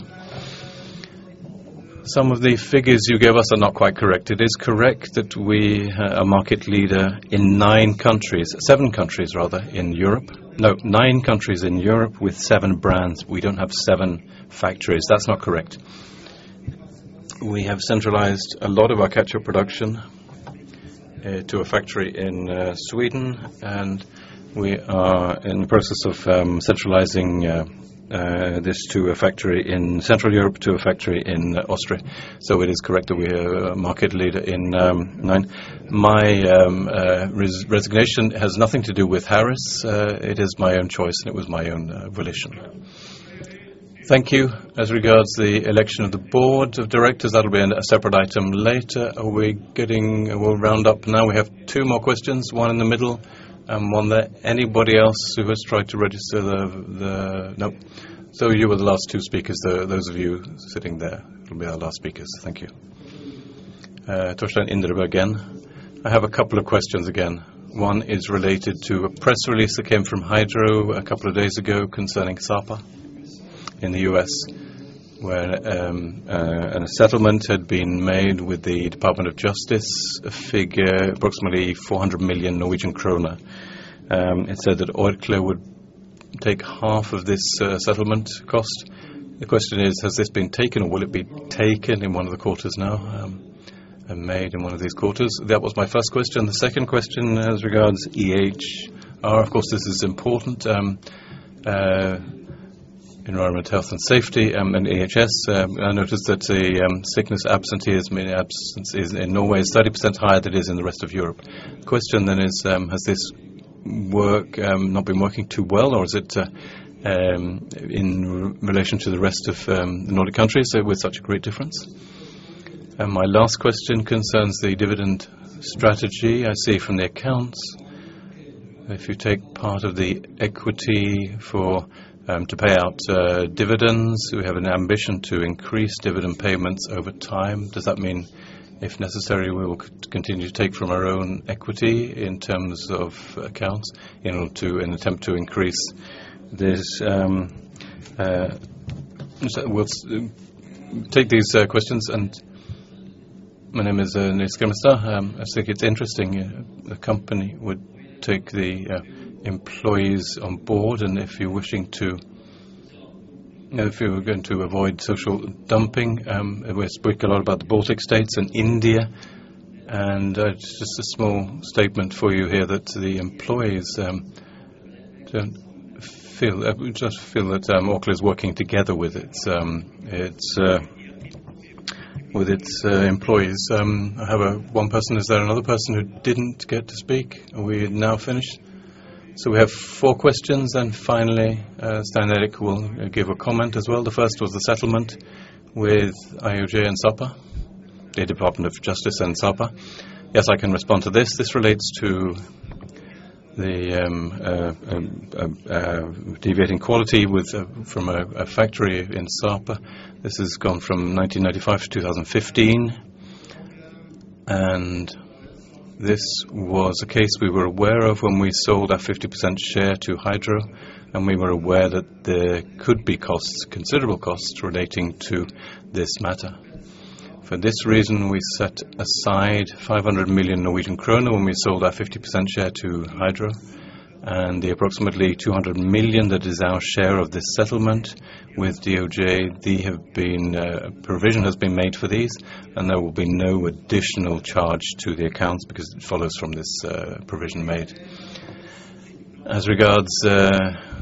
Some of the figures you gave us are not quite correct. It is correct that we are a market leader in nine countries, seven countries, rather, in Europe. No, nine countries in Europe with seven brands. We don't have seven factories. That's not correct. We have centralized a lot of our ketchup production to a factory in Sweden, and we are in the process of centralizing this to a factory in Central Europe, to a factory in Austria. So it is correct that we are a market leader in nine. My resignation has nothing to do with Hagen. It is my own choice, and it was my own volition. Thank you. As regards the election of the Board of directors, that'll be in a separate item later. We'll round up now. We have two more questions, one in the middle and one there. Anybody else who has tried to register? Nope. So you were the last two speakers. Those of you sitting there will be our last speakers. Thank you. Torstein Inderberg again. I have a couple of questions again. One is related to a press release that came from Hydro a couple of days ago concerning Sapa in the U.S., where and a settlement had been made with the Department of Justice, a figure approximately 400 million Norwegian krone. It said that Orkla would take half of this, settlement cost. The question is, has this been taken, or will it be taken in one of the quarters now, and made in one of these quarters? That was my first question. The second question as regards EHS. Of course, this is important, environment, health, and safety, and EHS. I noticed that the, sickness, absenteeism and absences in Norway is 30% higher than it is in the rest of Europe. Question then is, has this work not been working too well, or is it in relation to the rest of the Nordic countries with such a great difference? And my last question concerns the dividend strategy. I see from the accounts, if you take part of the equity for to pay out dividends, we have an ambition to increase dividend payments over time. Does that mean, if necessary, we will continue to take from our own equity in terms of accounts in order to attempt to increase this? We'll take these questions, and... My name is Nick Skammestein. I think it's interesting the company would take the employees on Board, and if you're wishing to, you know, if you were going to avoid social dumping. We speak a lot about the Baltic States and India, and it's just a small statement for you here, that the employees don't feel -- we just feel that Orkla is working together with its employees. I have one person. Is there another person who didn't get to speak? Are we now finished? So we have four questions, and finally, Stein Erik will give a comment as well. The first was the settlement with DOJ and Sarpsborg, the Department of Justice and Sarpsborg. Yes, I can respond to this. This relates to the deviating quality from a factory in Sarpsborg. This has gone from 1995 to 2015. This was a case we were aware of when we sold our 50% share to Hydro, and we were aware that there could be costs, considerable costs, relating to this matter. For this reason, we set aside 500 million Norwegian krone when we sold our 50% share to Hydro. The approximately 200 million, that is our share of this settlement with DOJ, provision has been made for these, and there will be no additional charge to the accounts because it follows from this provision made. As regards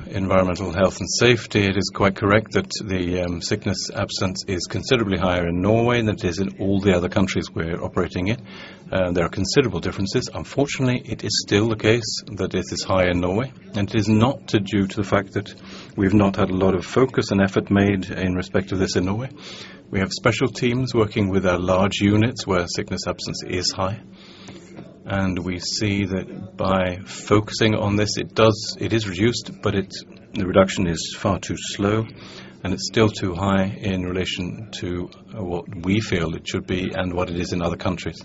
environmental health and safety, it is quite correct that the sickness absence is considerably higher in Norway than it is in all the other countries we're operating in. There are considerable differences. Unfortunately, it is still the case that this is high in Norway, and it is not due to the fact that we've not had a lot of focus and effort made in respect to this in Norway. We have special teams working with our large units, where sickness absence is high, and we see that by focusing on this, it is reduced, but it's the reduction is far too slow, and it's still too high in relation to what we feel it should be and what it is in other countries,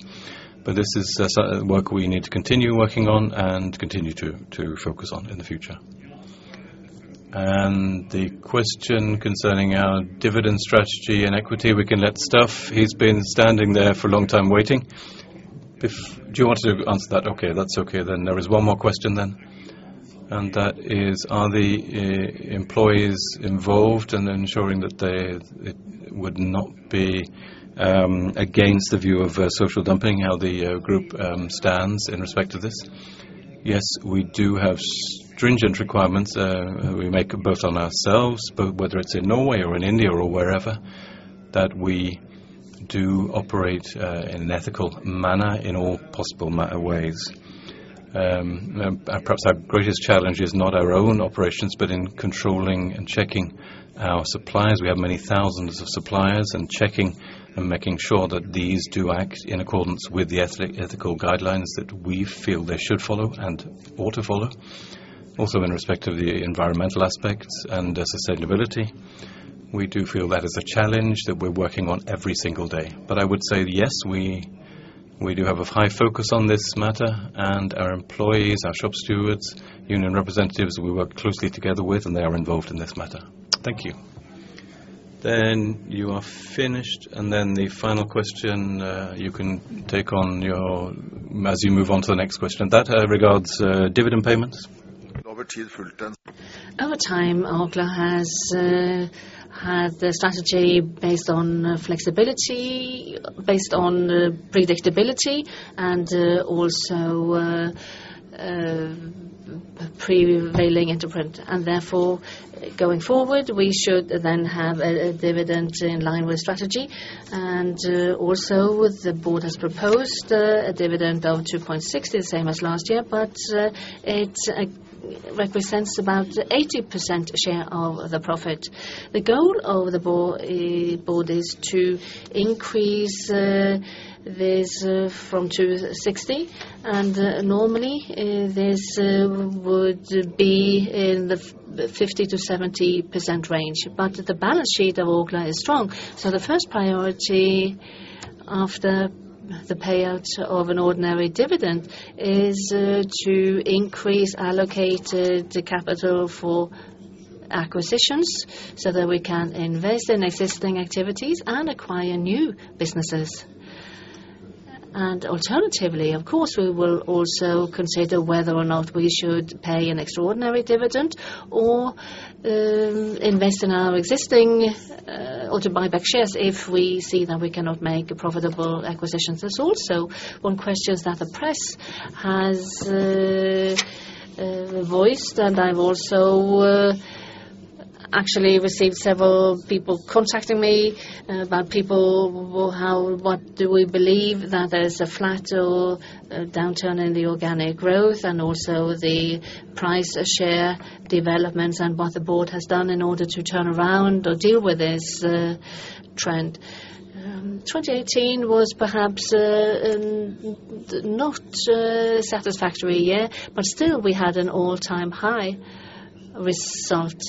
but this is work we need to continue working on and continue to focus on in the future, and the question concerning our dividend strategy and equity, we can let Staff. He's been standing there for a long time waiting. If... Do you want to answer that? Okay, that's okay then. There is one more question then, and that is: Are the employees involved in ensuring that they, it would not be against the view of social dumping, how the group stands in respect to this? Yes, we do have stringent requirements, we make both on ourselves, but whether it's in Norway or in India or wherever, that we do operate in an ethical manner in all possible ways. Perhaps our greatest challenge is not our own operations, but in controlling and checking our suppliers. We have many thousands of suppliers, and checking and making sure that these do act in accordance with the ethical guidelines that we feel they should follow and ought to follow. Also, in respect to the environmental aspects and sustainability, we do feel that is a challenge that we're working on every single day. But I would say, yes, we, we do have a high focus on this matter, and our employees, our shop stewards, union representatives, we work closely together with, and they are involved in this matter. Thank you. Then you are finished, and then the final question, you can take yours as you move on to the next question. That regards dividend payments. Over time, Orkla has had a strategy based on flexibility, based on predictability, and also prevailing interpretation. Therefore, going forward, we should then have a dividend in line with strategy. Also, the Board has proposed a dividend of 2.60, the same as last year, but it represents about 80% share of the profit. The goal of the Board is to increase this from 2.60, and normally this would be in the 50%-70% range. The balance sheet of Orkla is strong, so the first priority after the payout of an ordinary dividend is to increase allocated capital for acquisitions, so that we can invest in existing activities and acquire new businesses. Alternatively, of course, we will also consider whether or not we should pay an extraordinary dividend or invest in our existing or to buy back shares if we see that we cannot make profitable acquisitions. There's also one question that the press has voiced, and I've also actually received several people contacting me about people, well, how—what do we believe? That there's a flat or a downturn in the organic growth and also the price of share developments and what the Board has done in order to turn around or deal with this trend. 2018 was perhaps not a satisfactory year, but still we had an all-time high result.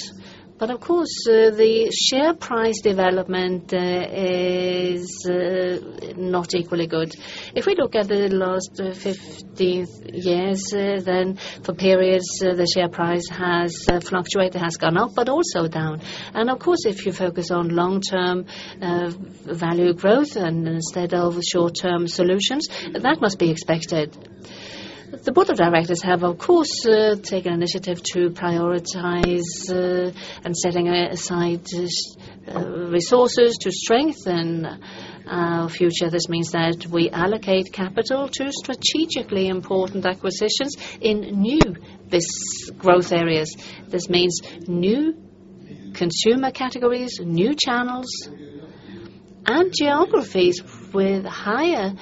Of course, the share price development is not equally good. If we look at the last 15 years, then for periods, the share price has fluctuated, has gone up, but also down, and of course, if you focus on long-term value growth and instead of short-term solutions, that must be expected.... The Board of directors have, of course, taken initiative to prioritize, and setting aside just resources to strengthen our future. This means that we allocate capital to strategically important acquisitions in new bus- growth areas. This means new consumer categories, new channels, and geographies with higher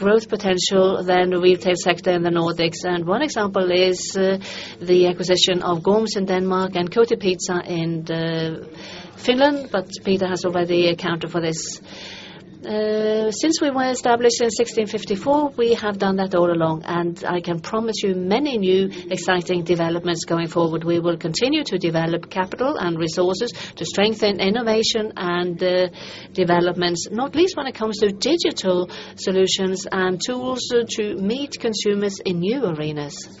growth potential than the retail sector in the Nordics, and one example is, the acquisition of Gorm's in Denmark and Kotipizza in, Finland, but Peter has already accounted for this. Since we were established in 1654, we have done that all along, and I can promise you many new exciting developments going forward. We will continue to develop capital and resources to strengthen innovation and developments, not least when it comes to digital solutions and tools to meet consumers in new arenas.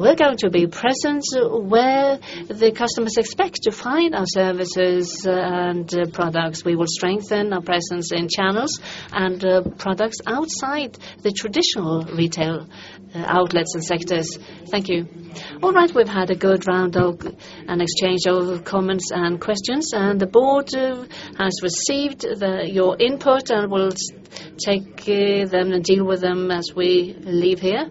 We're going to be present where the customers expect to find our services and products. We will strengthen our presence in channels and products outside the traditional retail outlets and sectors. Thank you. All right, we've had a good round of and exchange of comments and questions, and the Board has received your input, and we'll take them and deal with them as we leave here.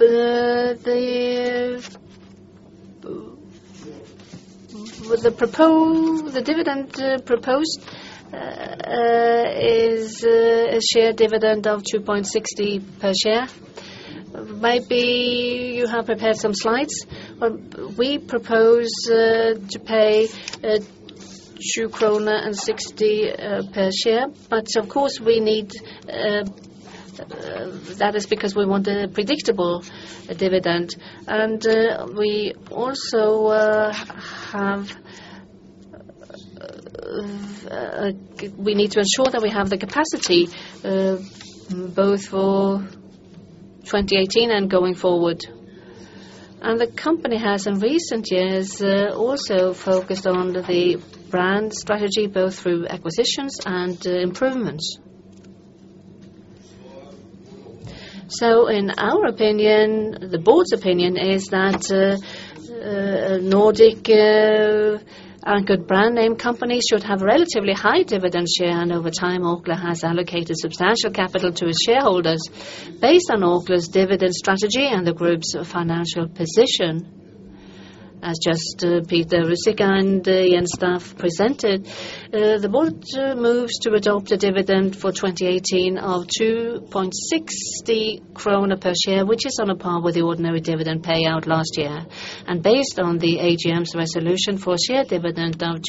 With the proposed dividend is a cash dividend of 2.60 per share. Maybe you have prepared some slides, but we propose to pay 2.60 krone per share, but of course we need. That is because we want a predictable dividend, and we also need to ensure that we have the capacity both for 2018 and going forward, the company has, in recent years, also focused on the brand strategy, both through acquisitions and improvements. In our opinion, the Board's opinion is that Nordic and good brand name companies should have relatively high dividend share, and over time, Orkla has allocated substantial capital to its shareholders. Based on Orkla's dividend strategy and the group's financial position, as just, Peter Ruzicka and Jens Staff presented, the Board moves to adopt a dividend for 2018 of 2.60 krone per share, which is on a par with the ordinary dividend payout last year. And based on the AGM's resolution for share dividend of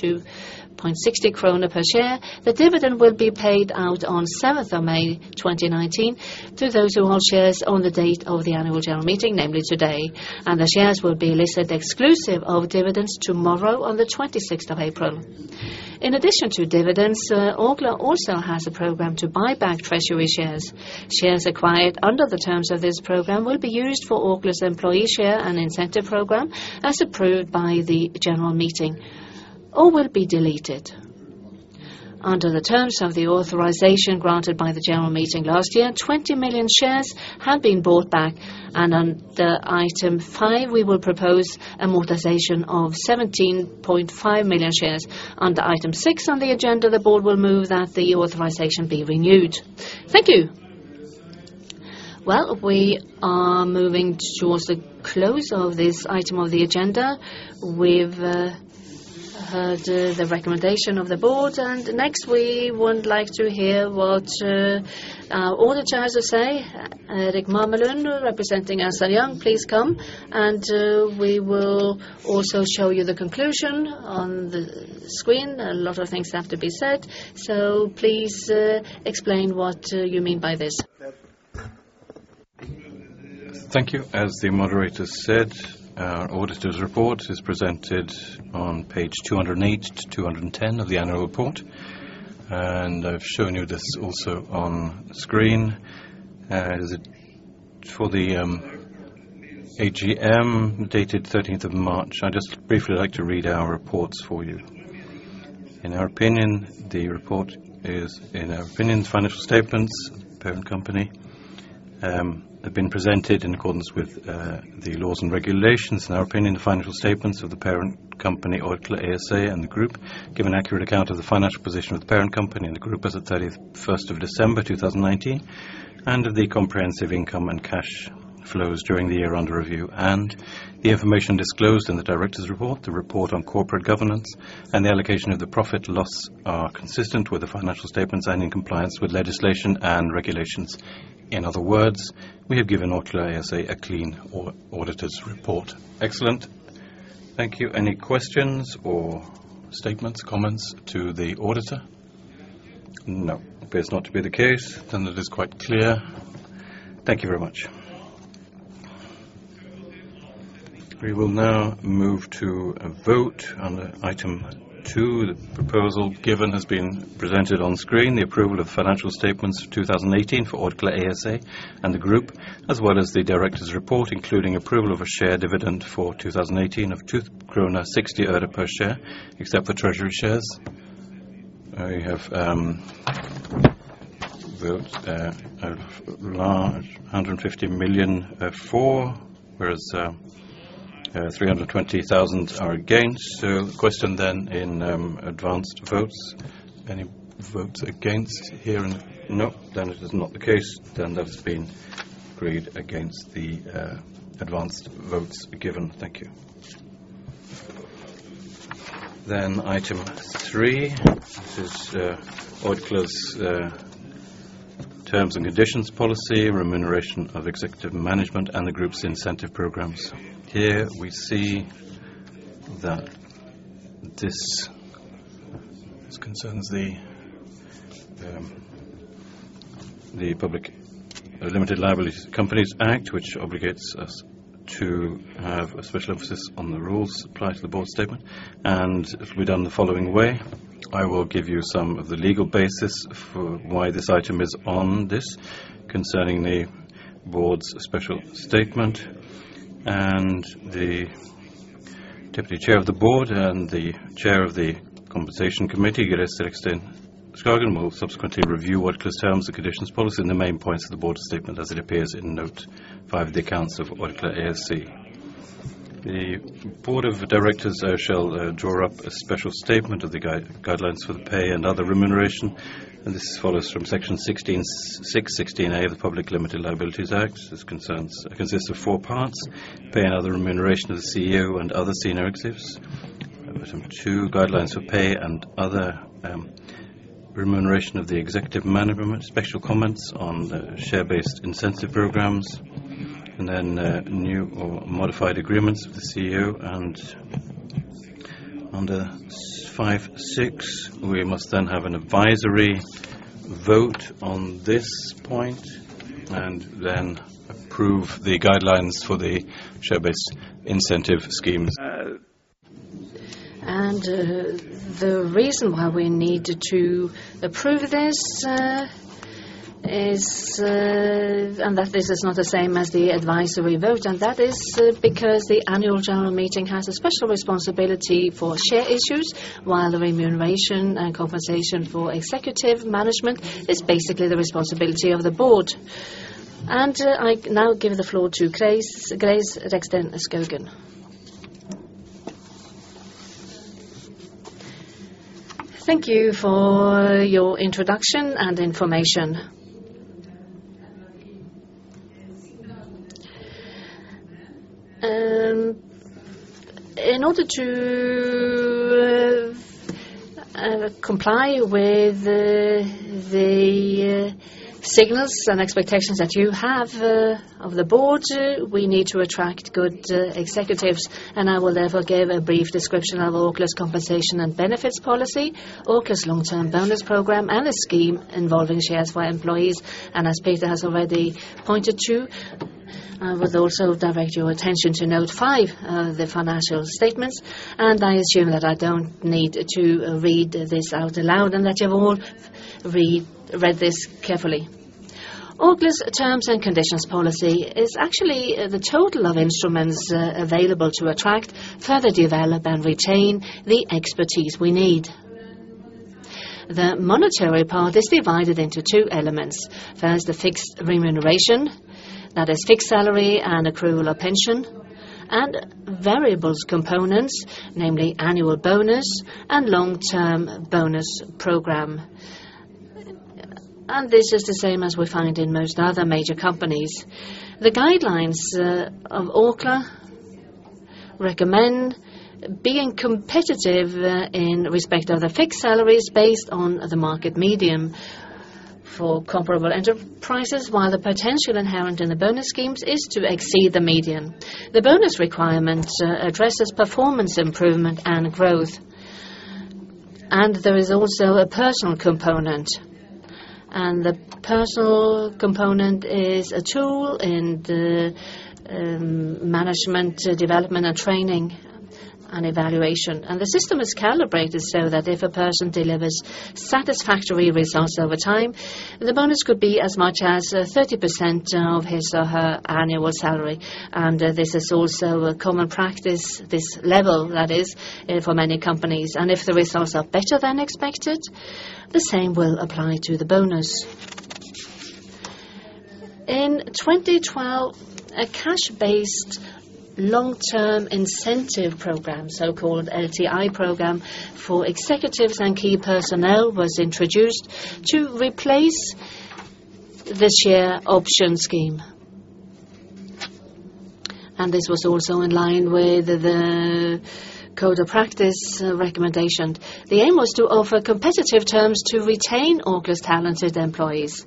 2.60 kroner per share, the dividend will be paid out on seventh of May 2019, to those who hold shares on the date of the annual General Meeting, namely today. And the shares will be listed exclusive of dividends tomorrow on the twenty-sixth of April. In addition to dividends, Orkla also has a program to buy back treasury shares. Shares acquired under the terms of this program will be used for Orkla's employee share and incentive program, as approved by the General Meeting, or will be deleted. Under the terms of the authorization granted by the General Meeting last year, 20 million shares have been bought back, and under item five, we will propose amortization of 17.5 million shares. Under item six on the agenda, the Board will move that the authorization be renewed. Thank you. Well, we are moving towards the close of this item on the agenda. We've heard the recommendation of the Board, and next, we would like to hear what our auditor has to say. Rickard Maartmann, representing Ernst & Young, please come, and we will also show you the conclusion on the screen. A lot of things have to be said, so please explain what you mean by this. Thank you. As the moderator said, our auditor's report is presented on page 208 to 210 of the Annual Report, and I've shown you this also on screen. Is it for the AGM, dated thirteenth of March? I'd just briefly like to read our reports for you. In our opinion, the financial statements of the parent company have been presented in accordance with the laws and regulations. In our opinion, the financial statements of the parent company, Orkla ASA, and the group give an accurate account of the financial position of the parent company and the group as at 31st of December, 2019, and of the comprehensive income and cash flows during the year under review. And the information disclosed in the directors' report, the report on corporate governance, and the allocation of the profit/loss are consistent with the financial statements and in compliance with legislation and regulations. In other words, we have given Orkla ASA a clean auditor's report. Excellent. Thank you. Any questions or statements, comments to the auditor? No. Appears not to be the case, then it is quite clear. Thank you very much. We will now move to a vote on item two. The proposal given has been presented on screen, the approval of financial statements for 2018 for Orkla ASA and the group, as well as the directors' report, including approval of a share dividend for 2018 of NOK 2.60 per share, except for treasury shares.... I have votes of 150 million are for, whereas 320,000 are against. So the question then in advance votes, any votes against here? No, then it is not the case, then that's been agreed against the advance votes given. Thank you. Then item three, which is Orkla's terms and conditions, policy, remuneration of executive management, and the group's incentive programs. Here we see that this concerns the Public Limited Liability Companies Act, which obligates us to have a special emphasis on the rules applied to the Board statement. If we've done the following way, I will give you some of the legal basis for why this item is on this, concerning the Board's special statement, and the Deputy Chair of the Board, and the Chair of the Compensation Committee, Grace Reksten Skaugen, will subsequently review what concerns the remuneration policy and the main points of the Board statement, as it appears in Note 5 of the accounts of Orkla ASA. The Board of directors shall draw up a special statement of the guidelines for the pay and other remuneration, and this follows from Section 16-16 of the Public Limited Liability Companies Act. This consists of four parts: pay and other remuneration of the CEO and other senior executives. Item two, guidelines for pay and other remuneration of the executive management. Special comments on the share-based incentive programs, and then, new or modified agreements with the CEO, and under 5.6, we must then have an advisory vote on this point, and then approve the guidelines for the share-based incentive schemes. And the reason why we need to approve this is. And that this is not the same as the advisory vote, and that is because the annual General Meeting has a special responsibility for share issues, while the remuneration and compensation for executive management is basically the responsibility of the Board. And I now give the floor to Grace Reksten Skaugen. Thank you for your introduction and information. In order to comply with the signals and expectations that you have of the Board, we need to attract good executives, and I will therefore give a brief description of Orkla's compensation and benefits policy, Orkla's long-term bonus program, and a scheme involving shares for employees. As Peter has already pointed to, I would also direct your attention to note five, the financial statements, and I assume that I don't need to read this out loud, and that you've all read this carefully. Orkla's remuneration policy is actually the totality of instruments available to attract, further develop, and retain the expertise we need. The monetary part is divided into two elements. There's the fixed remuneration, that is, fixed salary and accrual of pension, and variable components, namely, annual bonus and long-term bonus program. This is the same as we find in most other major companies. The guidelines of Orkla recommend being competitive in respect of the fixed salaries based on the market median for comparable enterprises, while the potential inherent in the bonus schemes is to exceed the median. The bonus requirement addresses performance improvement and growth, and there is also a personal component. The personal component is a tool in the management, development, and training, and evaluation. The system is calibrated so that if a person delivers satisfactory results over time, the bonus could be as much as 30% of his or her annual salary. This is also a common practice, this level that is for many companies, and if the results are better than expected, the same will apply to the bonus. In 2012, a cash-based long-term incentive program, so-called LTI program, for executives and key personnel, was introduced to replace the share option scheme. This was also in line with the code of practice recommendation. The aim was to offer competitive terms to retain Orkla's talented employees.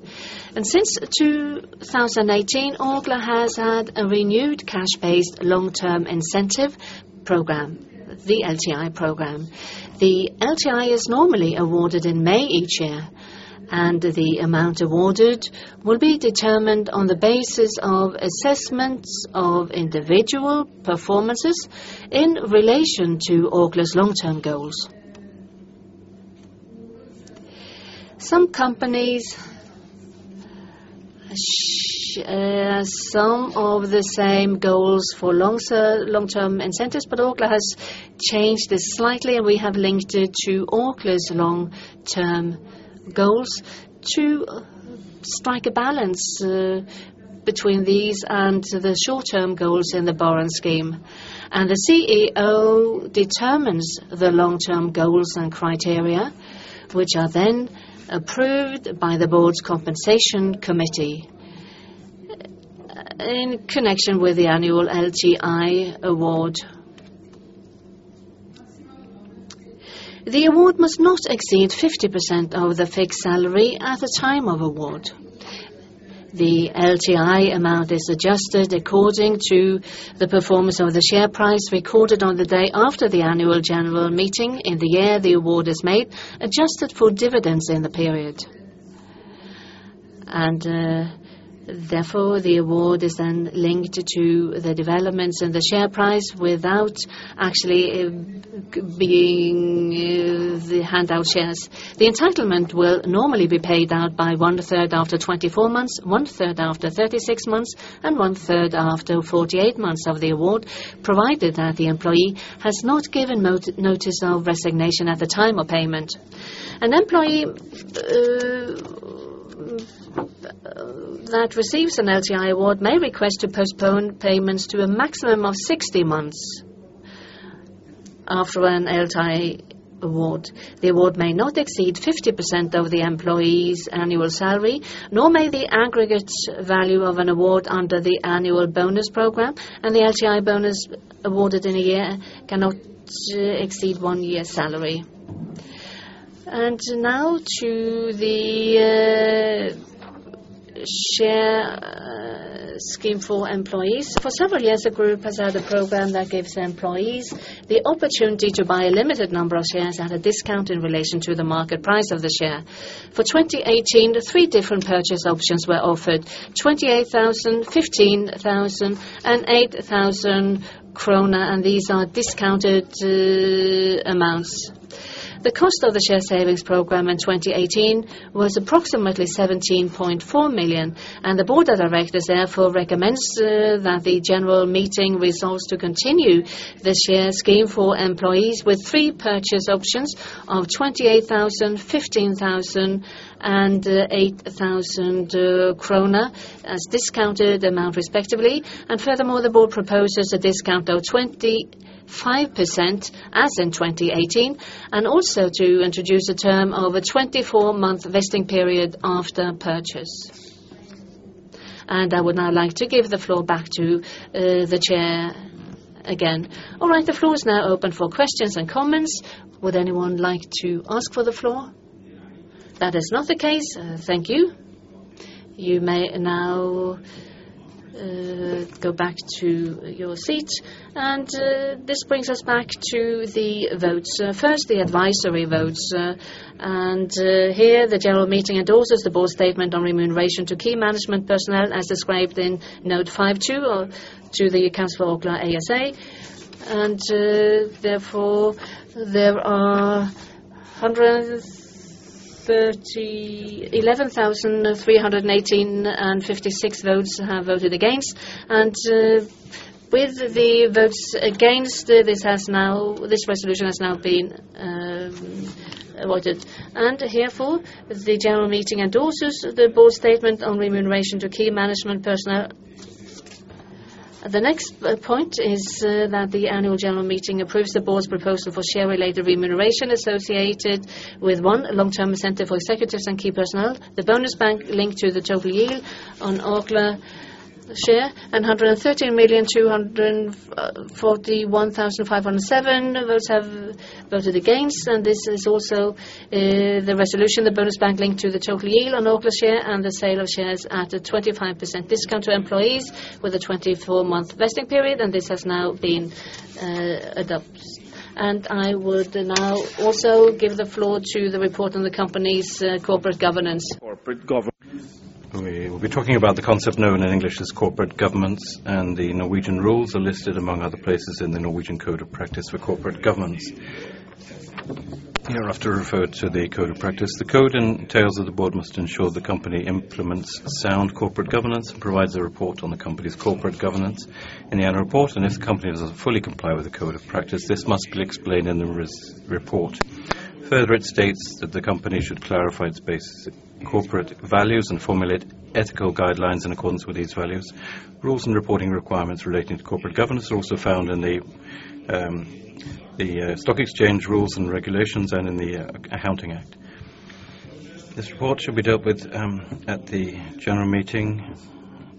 Since 2018, Orkla has had a renewed cash-based long-term incentive program, the LTI program. The LTI is normally awarded in May each year, and the amount awarded will be determined on the basis of assessments of individual performances in relation to Orkla's long-term goals. Some companies use some of the same goals for long-term incentives, but Orkla has changed this slightly, and we have linked it to Orkla's long-term goals to strike a balance between these and the short-term goals in the bonus scheme. The CEO determines the long-term goals and criteria, which are then approved by the Board's compensation committee. In connection with the annual LTI award, the award must not exceed 50% of the fixed salary at the time of award. The LTI amount is adjusted according to the performance of the share price recorded on the day after the annual General Meeting in the year the award is made, adjusted for dividends in the period, and therefore, the award is then linked to the developments in the share price without actually being the handout shares. The entitlement will normally be paid out by 1/3 after 24 months, 1/3 after 36 months, and 1/3 after 48 months of the award, provided that the employee has not given notice of resignation at the time of payment. An employee that receives an LTI award may request to postpone payments to a maximum of 60 months after an LTI award. The award may not exceed 50% of the employee's annual salary, nor may the aggregate value of an award under the annual bonus program, and the LTI bonus awarded in a year cannot exceed one year's salary. And now to the share scheme for employees. For several years, the group has had a program that gives employees the opportunity to buy a limited number of shares at a discount in relation to the market price of the share. For 2018, the three different purchase options were offered: 28,000 NOK, 15,000 NOK, and 8,000 kroner, and these are discounted amounts. The cost of the share savings program in 2018 was approximately 17.4 million, and the Board of Directors, therefore, recommends that the General Meeting resolves to continue the share scheme for employees with three purchase options of 28,000, 15,000, and 8,000 kroner as discounted amount, respectively. And furthermore, the Board proposes a discount of 25%, as in 2018, and also to introduce a term of a 24-month vesting period after purchase. And I would now like to give the floor back to the chair again. All right, the floor is now open for questions and comments. Would anyone like to ask for the floor? That is not the case. Thank you. You may now go back to your seat, and this brings us back to the votes. First, the advisory votes. Here, the General Meeting endorses the Board statement on remuneration to key management personnel, as described in note 52 of the Orkla ASA. Therefore, there are 11,318.56 votes that have voted against. With the votes against, this has now—this resolution has now been adopted. Therefore, the General Meeting endorses the Board statement on remuneration to key management personnel. The next point is that the Annual General Meeting approves the Board's proposal for share-related remuneration associated with, one, long-term incentive for executives and key personnel, the bonus bank linked to the total yield on Orkla share, and 113,241,507 votes have voted against, and this is also the resolution, the bonus bank linked to the total yield on Orkla share and the sale of shares at a 25% discount to employees with a 24-month vesting period, and this has now been adopted. I would now also give the floor to the report on the company's corporate governance. Corporate governance. We will be talking about the concept known in English as corporate governance, and the Norwegian rules are listed, among other places, in the Norwegian Code of Practice for corporate governance. Hereafter, I refer to the code of practice. The code entails that the Board must ensure the company implements sound corporate governance and provides a report on the company's corporate governance in the Annual Report, and if the company doesn't fully comply with the code of practice, this must be explained in the report. Further, it states that the company should clarify its basic corporate values and formulate ethical guidelines in accordance with these values. Rules and reporting requirements relating to corporate governance are also found in the stock exchange rules and regulations and in the Accounting Act. This report should be dealt with at the General Meeting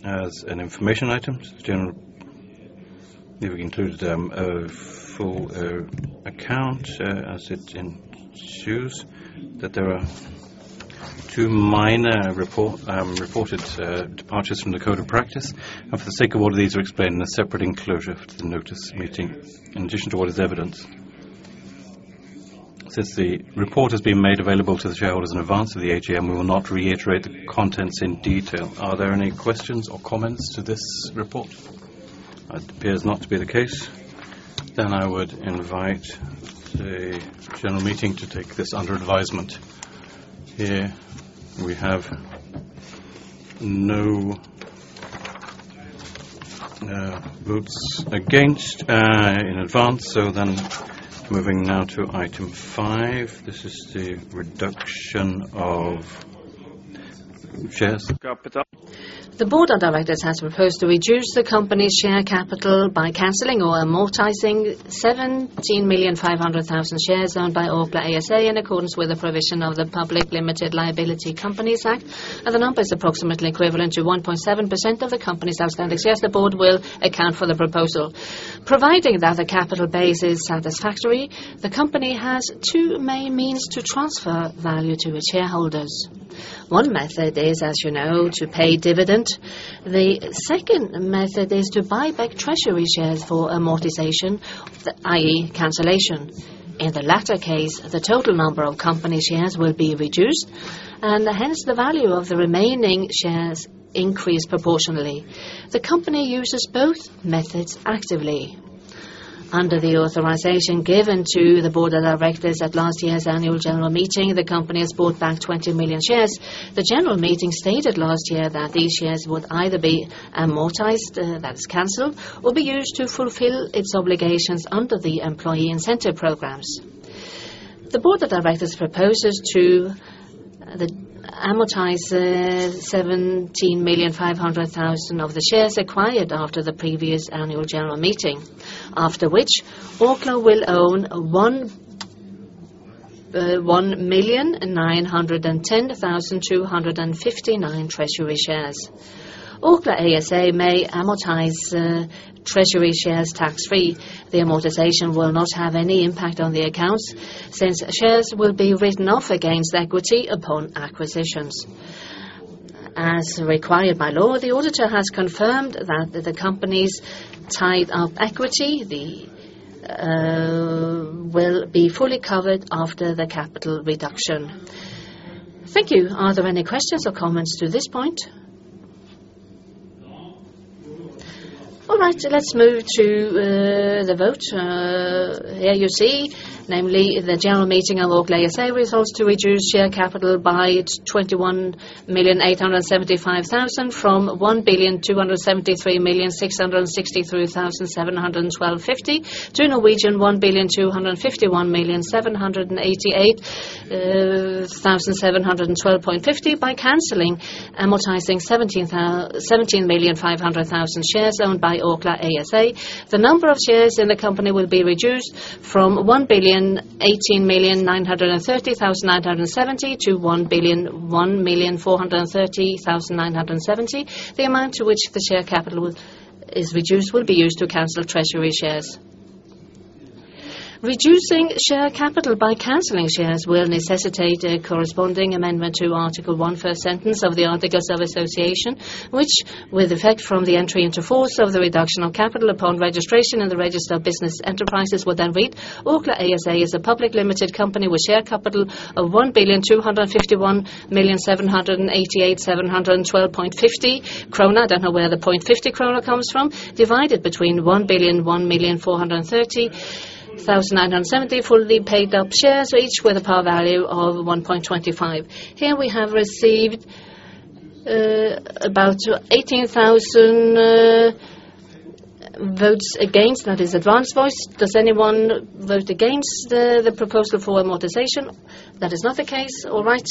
as an information item. The General Meeting includes a full account as it ensues that there are two minor reported departures from the code of practice. For the sake of order, these are explained in a separate enclosure to the notice of meeting, in addition to what is evidenced. Since the report has been made available to the shareholders in advance of the AGM, we will not reiterate the contents in detail. Are there any questions or comments to this report? It appears not to be the case, then I would invite the General Meeting to take this under advisement. Here, we have no votes against in advance. Then moving now to item five, this is the reduction of share capital. The Board of directors has proposed to reduce the company's share capital by canceling or amortizing 17.5 million shares owned by Orkla ASA, in accordance with the provision of the Public Limited Liability Companies Act, and the number is approximately equivalent to 1.7% of the company's outstanding shares. The Board will account for the proposal. Providing that the capital base is satisfactory, the company has two main means to transfer value to its shareholders. One method is, as you know, to pay dividend. The second method is to buy back treasury shares for amortization, i.e., cancellation. In the latter case, the total number of company shares will be reduced, and hence, the value of the remaining shares increase proportionally. The company uses both methods actively. Under the authorization given to the Board of directors at last year's annual General Meeting, the company has bought back 20 million shares. The General Meeting stated last year that these shares would either be amortized, that is, canceled, or be used to fulfill its obligations under the employee incentive programs. The Board of directors proposes to amortize 70,500,000 of the shares acquired after the previous annual General Meeting, after which Orkla will own 1,910,259 treasury shares. Orkla ASA may amortize treasury shares tax-free. The amortization will not have any impact on the accounts, since shares will be written off against equity upon acquisitions. As required by law, the auditor has confirmed that the company's tied-up equity will be fully covered after the capital reduction. Thank you. Are there any questions or comments to this point? No. All right, let's move to the vote. Here you see, namely, the General Meeting of Orkla ASA resolves to reduce share capital by 21,875,000 from NOK 1,273,663,712.50-NOK 1,251,788,712.50 by canceling, amortizing 17,500,000 shares owned by Orkla ASA. The number of shares in the company will be reduced from 1,018,930,970-1,001,430,970. The amount to which the share capital is reduced, will be used to cancel treasury shares. Reducing share capital by canceling shares will necessitate a corresponding amendment to Article one, first sentence of the Articles of Association, which, with effect from the entry into force of the reduction of capital upon registration in the Register of Business Enterprises, will then read: Orkla ASA is a public limited company with share capital of 1,251,088,712.50 krone. I don't know where the point fifty kroner comes from. Divided between 1,001,430,970, fully paid-up shares, each with a par value of 1.25. Here we have received about 18,000 votes against, that is advance votes. Does anyone vote against the proposal for amortization? That is not the case. All right.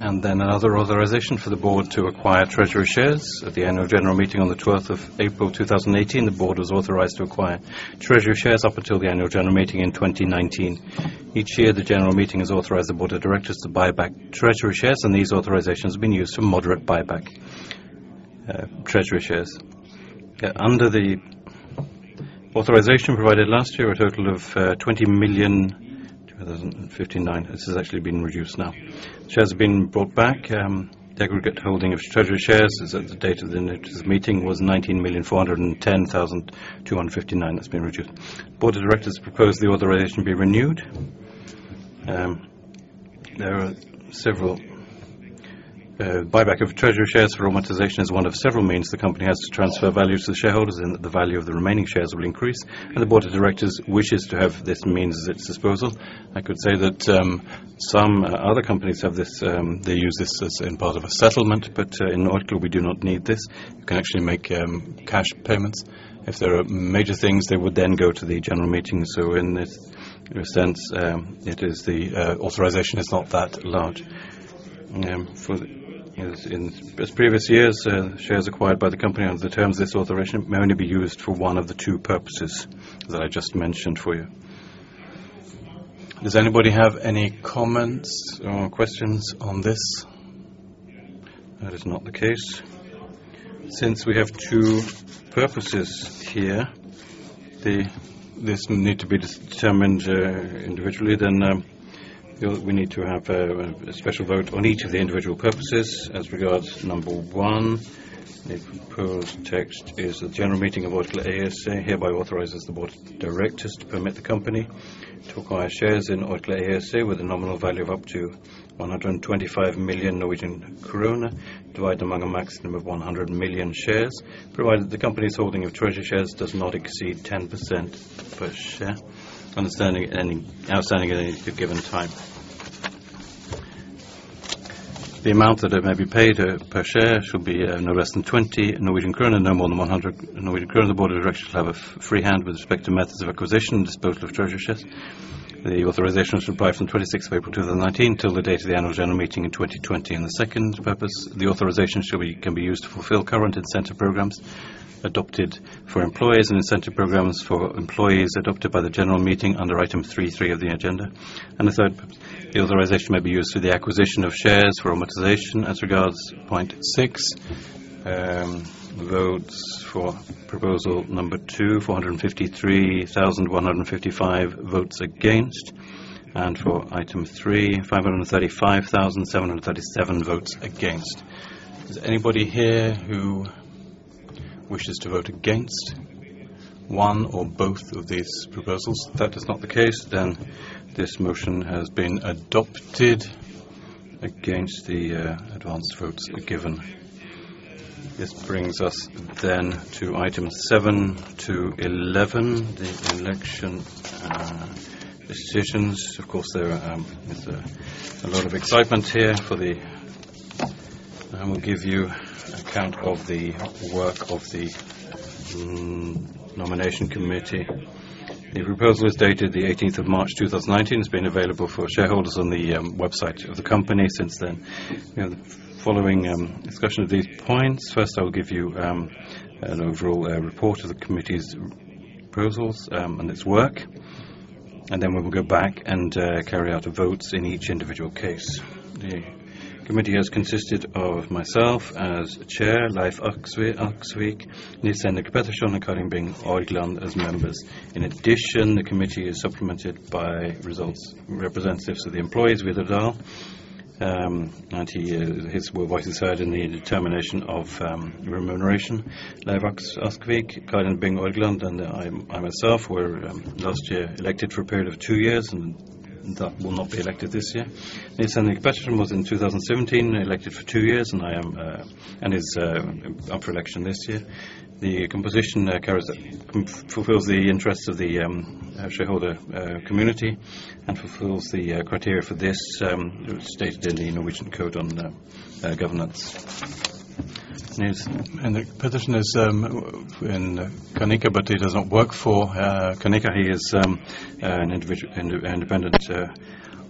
And then another authorization for the Board to acquire treasury shares. At the Annual General Meeting on the twelfth of April, 2018, the Board was authorized to acquire treasury shares up until the Annual General Meeting in 2019. Each year, the General Meeting has authorized the Board of directors to buy back treasury shares, and these authorizations have been used for moderate buyback, treasury shares. Under the authorization provided last year, a total of, 20,002,059, this has actually been reduced now. Shares have been bought back, the aggregate holding of treasury shares as at the date of the latest meeting was 19,410,000,259. That's been reduced. Board of directors propose the authorization be renewed. There are several buyback of treasury shares for amortization is one of several means the company has to transfer value to the shareholders, and the value of the remaining shares will increase, and the Board of directors wishes to have this means at its disposal. I could say that some other companies have this. They use this as in part of a settlement, but in Orkla, we do not need this. We can actually make cash payments. If there are major things, they would then go to the General Meeting. So in this, in a sense, it is the authorization is not that large. As in previous years, shares acquired by the company under the terms of this authorization may only be used for one of the two purposes that I just mentioned for you. Does anybody have any comments or questions on this? That is not the case. Since we have two purposes here, this will need to be determined individually, then. We need to have a special vote on each of the individual purposes. As regards number one, the proposed text is the General Meeting of Orkla ASA, hereby authorizes the Board of directors to permit the company to acquire shares in Orkla ASA with a nominal value of up to 125 million Norwegian krone, divided among a maximum of 100 million shares, provided the company's holding of treasury shares does not exceed 10% of the shares outstanding at any given time. The amount that it may be paid per share shall be no less than 20 Norwegian kroner, no more than 100 Norwegian kroner. The Board of Directors have a free hand with respect to methods of acquisition, disposal of treasury shares. The authorization shall apply from the 26th of April, 2019, till the date of the Annual General Meeting in 2020, and the second purpose, the authorization shall be, can be used to fulfill current incentive programs adopted for employees, and incentive programs for employees adopted by the General Meeting under item 33 of the agenda, and the third, the authorization may be used for the acquisition of shares for amortization as regards point 6. Votes for proposal number 2, 453,155 votes against, and for item 3, 535,737 votes against. Is anybody here who wishes to vote against one or both of these proposals? That is not the case, then this motion has been adopted against the advance votes given. This brings us then to item seven to eleven, the election decisions. Of course, there is a lot of excitement here for the... I will give you account of the work of the Nomination Committee. The proposal is dated the eighteenth of March, 2019, has been available for shareholders on the website of the company since then. You know, the following discussion of these points. First, I will give you an overall report of the committee's proposals and its work, and then we will go back and carry out the votes in each individual case. The committee has consisted of myself as chair, Leiv Askvig, Nils-Henrik Pettersson, and Karin Bing Orgland as members. In addition, the committee is supplemented by elected representatives of the employees, Vidar Dahl, and his voice is heard in the determination of remuneration. Leiv Askvig, Karin Bing Orgland, and I myself were last year elected for a period of two years, and that will not be elected this year. Nils-Henrik Pettersson was in 2017 elected for two years, and he is up for election this year. The composition fulfills the interests of the shareholder community, and fulfills the criteria for this stated in the Norwegian Code on Governance. Nils? And the position is in Canica, but he doesn't work for Canica. He is an independent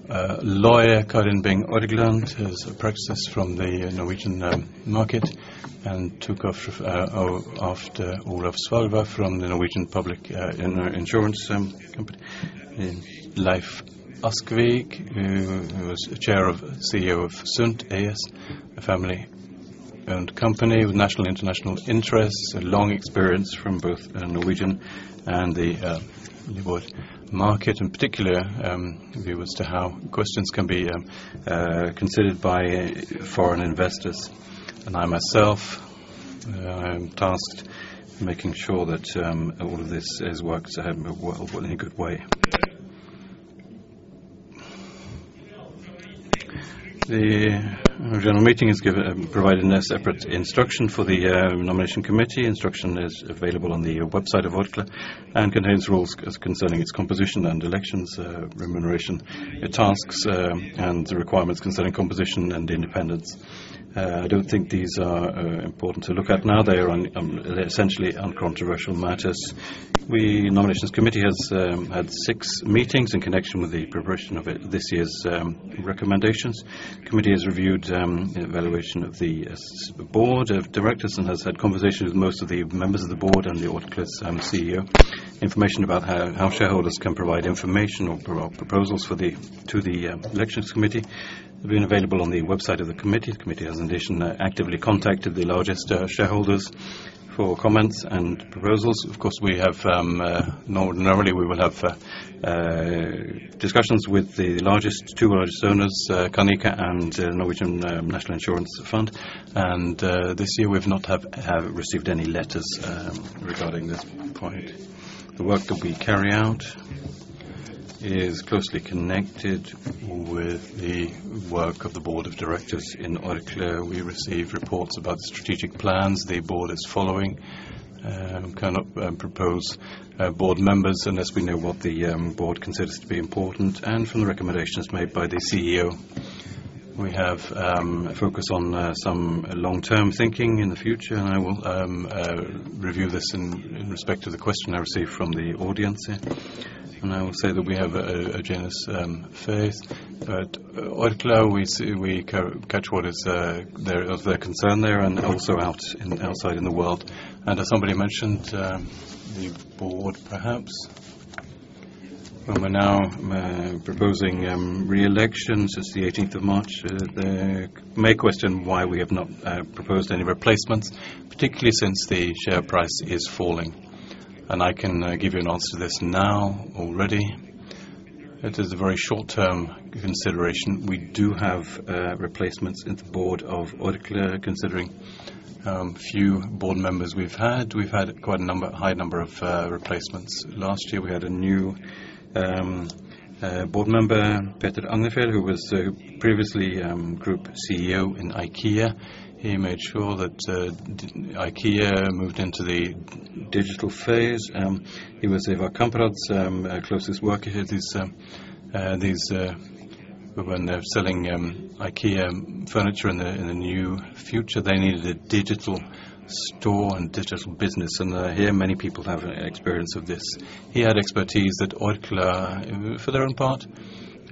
lawyer. Karin Bing Orgland has a practice from the Norwegian market, and took over after Olav Sjaastad from the Norwegian Public Insurance Company. Leiv Askvig, who was CEO of Sundt AS, a family-owned company with national and international interests, a long experience from both Norwegian and the labor market, in particular view as to how questions can be considered by foreign investors. And I, myself, I'm tasked making sure that all of this is worked out well in a good way. The General Meeting has provided a separate instruction for the Nomination Committee. The instruction is available on the website of Orkla, and contains rules concerning its composition and elections, remuneration, its tasks, and the requirements concerning composition and independence. I don't think these are important to look at now. They are on, they're essentially uncontroversial matters. The Nomination Committee has had six meetings in connection with the progression of this year's recommendations. The Committee has reviewed evaluation of the Board of Directors, and has had conversations with most of the members of the Board and Orkla's CEO. Information about how shareholders can provide information or proposals to the Nomination Committee have been available on the website of the Committee. The Committee has, in addition, actively contacted the largest shareholders for comments and proposals. Of course, we have ordinarily we will have discussions with the two largest owners, Canica and the Norwegian National Insurance Scheme Fund. This year, we have not received any letters regarding this point. The work that we carry out is closely connected with the work of the Board of directors in Orkla. We receive reports about the strategic plans the Board is following, cannot propose Board members unless we know what the Board considers to be important, and from the recommendations made by the CEO. We have a focus on some long-term thinking in the future, and I will review this in respect to the question I received from the audience here. I will say that we have a generous phase, but Orkla, we catch what is of their concern there, and also outside in the world. As somebody mentioned, the Board, perhaps, when we're now proposing re-election since the eighteenth of March, they may question why we have not proposed any replacements, particularly since the share price is falling. And I can give you an answer to this now already. It is a very short-term consideration. We do have replacements in the Board of Orkla, considering few Board members we've had. We've had quite a number, high number of replacements. Last year, we had a new Board member, Peter Agnefjäll, who was previously Group CEO in IKEA. He made sure that IKEA moved into the digital phase. He was of our comrades closest worker. He had these. When they're selling IKEA furniture in the near future, they needed a digital store and digital business, and here, many people have an experience of this. He had expertise at Orkla, for their own part,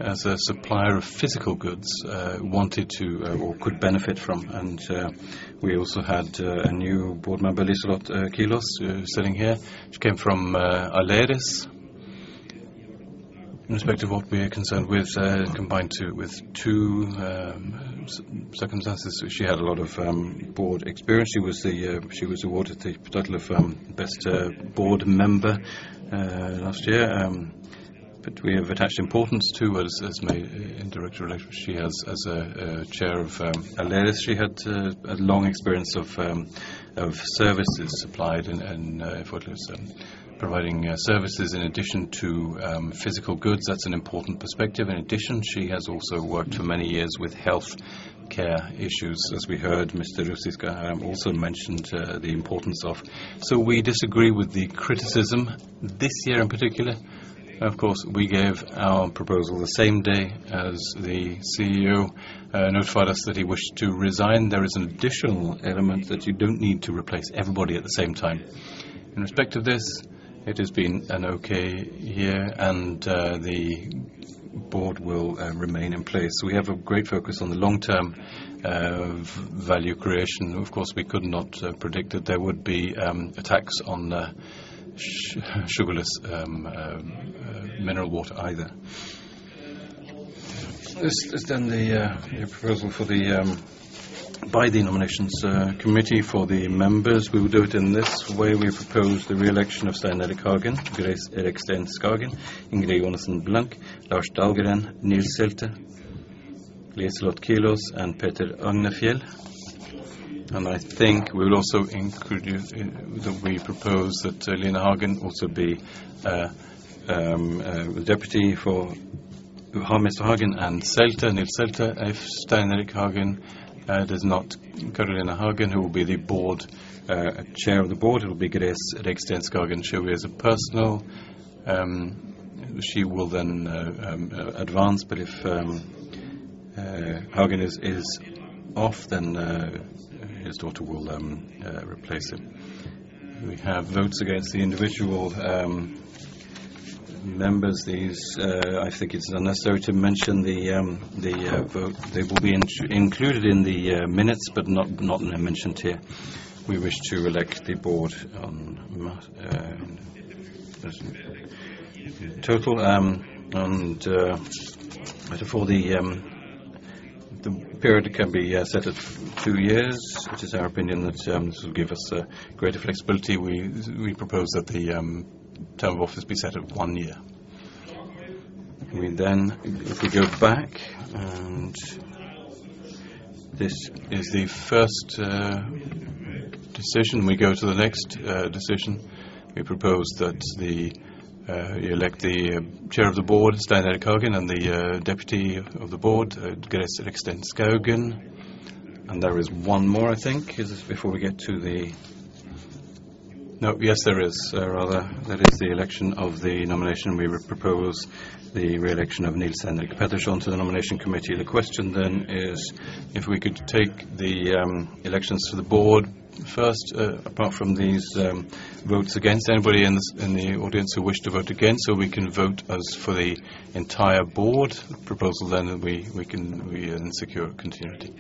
as a supplier of physical goods, wanted to or could benefit from, and we also had a new Board member, Liselott Kilaas, sitting here; she came from Aleris. With respect to what we are concerned with, combined with two circumstances. She had a lot of Board experience. She was awarded the title of best Board member last year, but we have attached importance to as my indirect relationship. She has, as a Chair of Aleris, she had a long experience of services supplied and for this providing services in addition to physical goods. That's an important perspective. In addition, she has also worked for many years with healthcare issues, as we heard, Mr. Lukassen also mentioned the importance of... So we disagree with the criticism this year, in particular. Of course, we gave our proposal the same day as the CEO notified us that he wished to resign. There is an additional element that you don't need to replace everybody at the same time. In respect to this, it has been an okay year, and the Board will remain in place. We have a great focus on the long-term value creation. Of course, we could not predict that there would be attacks on the sugarless mineral water either. This is then the proposal by the Nomination Committee for the members. We will do it in this way. We propose the re-election of Stein Erik Hagen, Grace Reksten Skaugen, Ingrid Jonasson Blank, Lars Dahlgren, Nils Selte, Liselott Kilaas, and Peter Agnefjäll, and I think we will also include you in that we propose that Caroline Hagen Kjos also be the deputy for Stein Erik Hagen and Nils Selte. If Stein Erik Hagen does not currently Caroline Hagen Kjos, who will be the Board chair of the Board, it will be Grace Reksten Skaugen. She will, as a personal, she will then advance, but if Hagen is off, then his daughter will replace him. We have votes against the individual members. These, I think it's unnecessary to mention the vote. They will be included in the minutes, but not mentioned here. We wish to re-elect the Board on total. And but for the period can be set at two years. It is our opinion that this will give us a greater flexibility. We propose that the term of office be set at one year. We then, if we go back, and this is the first decision, we go to the next decision. We propose that we elect the Chair of the Board, Stein Erik Hagen, and the Deputy Chair of the Board, Grace Reksten Skaugen. And there is one more, I think. Is this before we get to the...? No, yes, there is. Rather, that is the election of the nomination. We would propose the re-election of Nils-Henrik Pettersson to the Nomination Committee. The question then is if we could take the elections to the Board first, apart from these votes against anybody in the audience who wish to vote against, so we can vote for the entire Board proposal. Then we can secure continuity.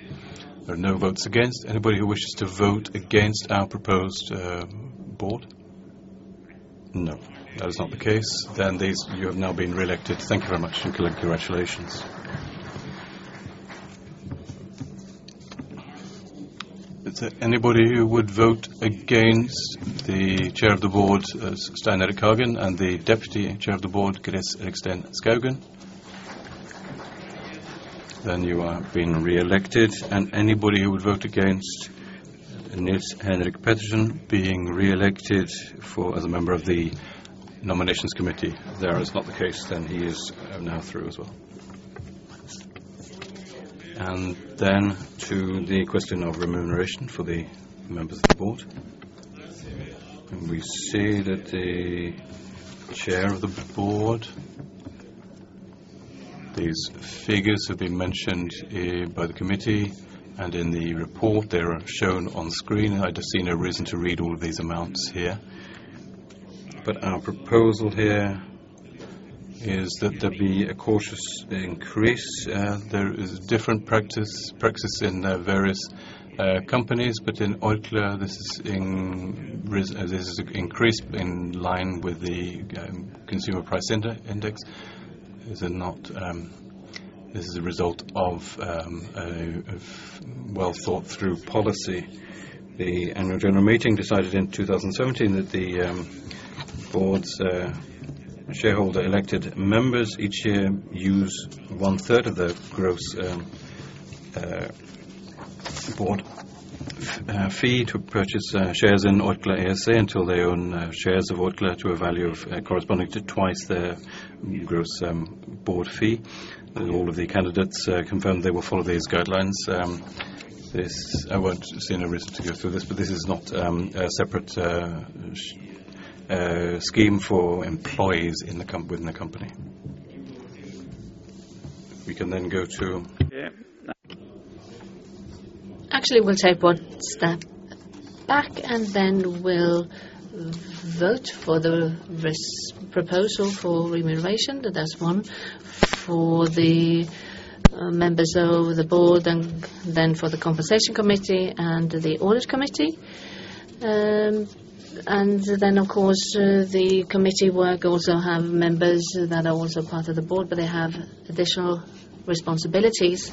There are no votes against. Anybody who wishes to vote against our proposed Board? No, that is not the case. Then these you have now been reelected. Thank you very much, and congratulations. Is there anybody who would vote against the Chair of the Board, Stein Erik Hagen, and the Deputy Chair of the Board, Grace Reksten Skaugen? Then you are being reelected. And anybody who would vote against Nils-Henrik Pettersson being reelected for as a member of the Nomination Committee? There is not the case, then he is now through as well. And then to the question of remuneration for the members of the Board. And we see that the Chair of the Board, these figures have been mentioned by the committee, and in the report, they are shown on screen. I just see no reason to read all of these amounts here. But our proposal here is that there be a cautious increase. There is different practice in various companies, but in Orkla, this is increased in line with the consumer price index. This is not a result of a well-thought-through policy. The annual General Meeting decided in 2017 that the Board's shareholder elected members each year use one third of the gross Board fee to purchase shares in Orkla ASA until they own shares of Orkla to a value corresponding to twice their gross Board fee. All of the candidates confirmed they will follow these guidelines. I won't see no reason to go through this, but this is not a separate scheme for employees within the company. We can then go to- Yeah. Actually, we'll take one step back, and then we'll vote for the remuneration proposal. That's one for the members of the Board and then for the compensation committee and the audit committee. And then, of course, the committee work also have members that are also part of the Board, but they have additional responsibilities.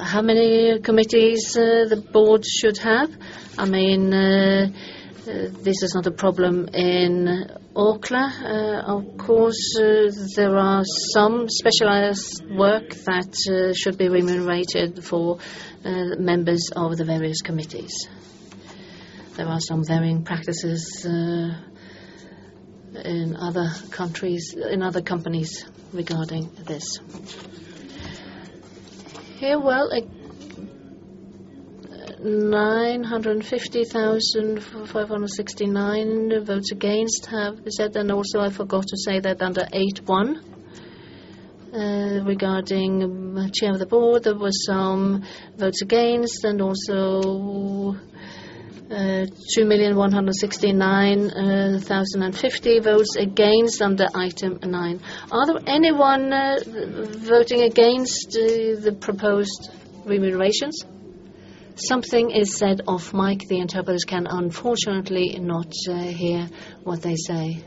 How many committees the Board should have? I mean, this is not a problem in Aker. Of course, there are some specialized work that should be remunerated for members of the various committees. There are some varying practices in other countries, in other companies regarding this. Here, well, like 950,569 votes against have been said. Then also, I forgot to say that under eight one, regarding chair of the Board, there was some votes against, and also, 2,169,000,050 votes against under item nine. Are there anyone voting against the proposed remunerations? Something is said off mic. The interpreters can unfortunately not hear what they say.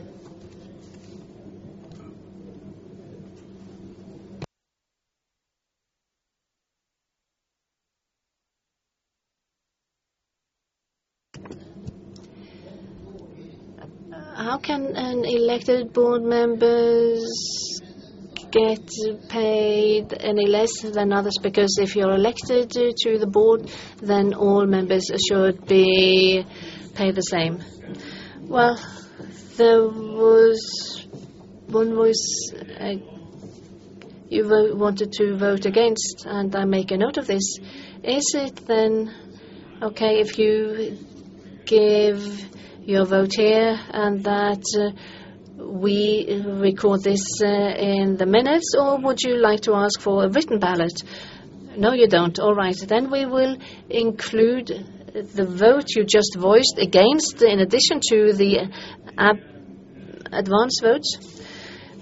How can an elected Board members get paid any less than others? Because if you're elected to the Board, then all members should be paid the same. Well, there was. One was, you wanted to vote against, and I make a note of this. Is it then okay if you give your vote here and that we record this in the minutes, or would you like to ask for a written ballot? No, you don't. All right, then we will include the vote you just voiced against, in addition to the advance votes.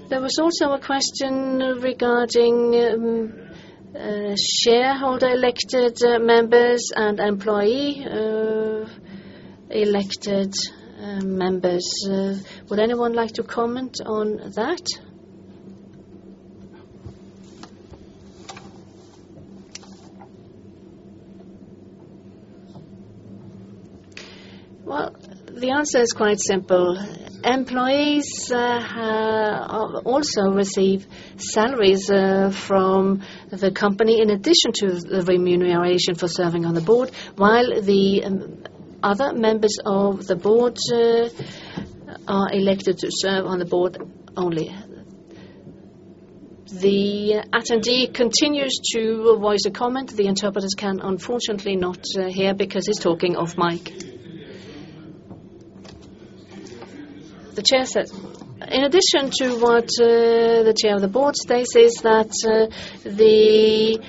There was also a question regarding shareholder-elected members and employee elected members. Would anyone like to comment on that? Well, the answer is quite simple. Employees also receive salaries from the company in addition to the remuneration for serving on the Board, while the other members of the Board are elected to serve on the Board only. The attendee continues to voice a comment. The interpreters can unfortunately not hear because he's talking off mic. The chair said... In addition to what the chair of the Board says, is that the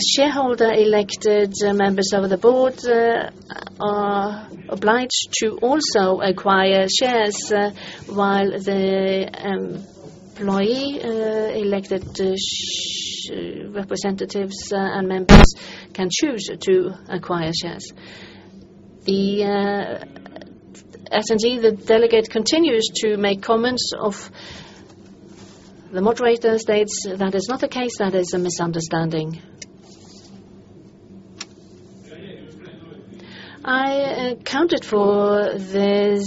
shareholder-elected members of the Board are obliged to also acquire shares, while the employee-elected representatives and members can choose to acquire shares. The attendee, the delegate, continues to make comments. The moderator states that is not the case. That is a misunderstanding. I accounted for this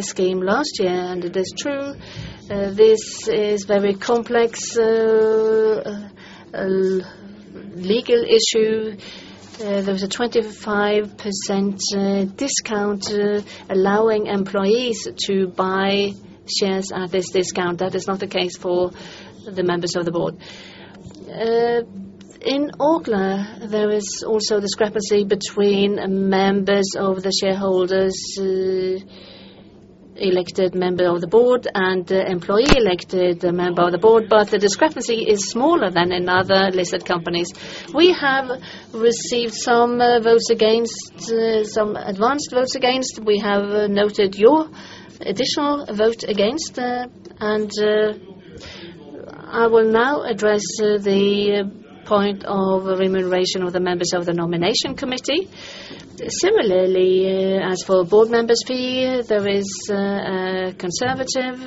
scheme last year, and it is true, this is very complex legal issue. There was a 25% discount allowing employees to buy shares at this discount. That is not the case for the members of the Board. In Aker, there is also discrepancy between members of the shareholders, elected member of the Board and the employee-elected member of the Board, but the discrepancy is smaller than in other listed companies. We have received some votes against, some advance votes against. We have noted your additional vote against, and I will now address the point of remuneration of the members of the Nomination Committee. Similarly, as for Board members fee, there is a conservative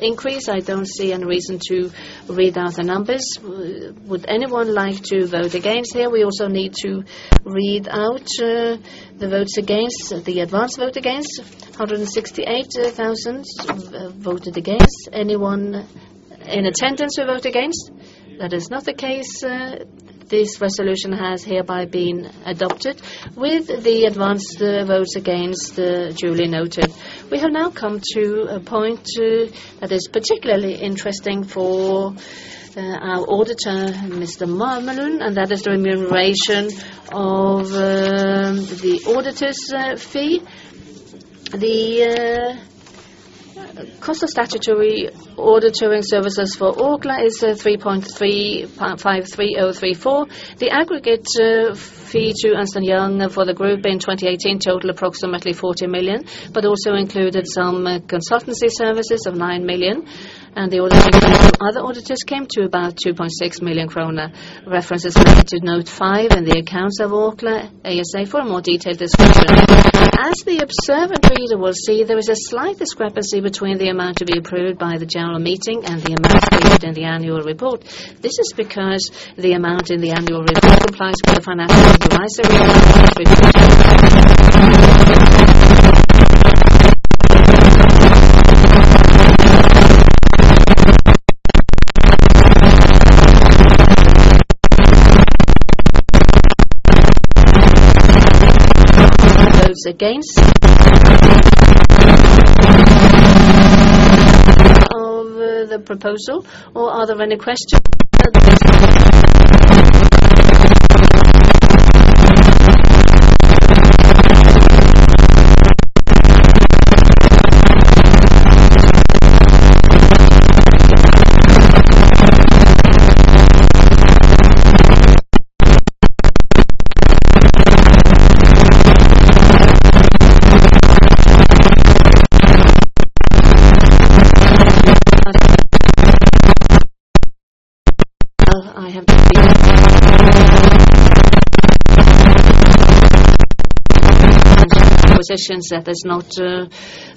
increase. I don't see any reason to read out the numbers. Would anyone like to vote against here? We also need to read out the votes against, the advanced vote against. 168,000 voted against. Anyone in attendance to vote against? That is not the case. This resolution has hereby been adopted with the advance votes against duly noted. We have now come to a point that is particularly interesting for our auditor, Mr. Mamelund, and that is the remuneration of the auditor's fee. The cost of statutory auditing services for Orkla is 3,353,034. The aggregate fee to Ernst & Young for the group in 2018 totaled approximately 40 million, but also included some consultancy services of 9 million, and the other auditors came to about 2.6 million kroner. Refer to note five in the accounts of Orkla ASA for a more detailed discussion. As the observant reader will see, there is a slight discrepancy between the amount to be approved by the General Meeting and the amount stated in the Annual Report. This is because the amount in the Annual Report complies with the Financial Supervisory Authority. Votes against the proposal, or are there any questions? Well, I have positions that is not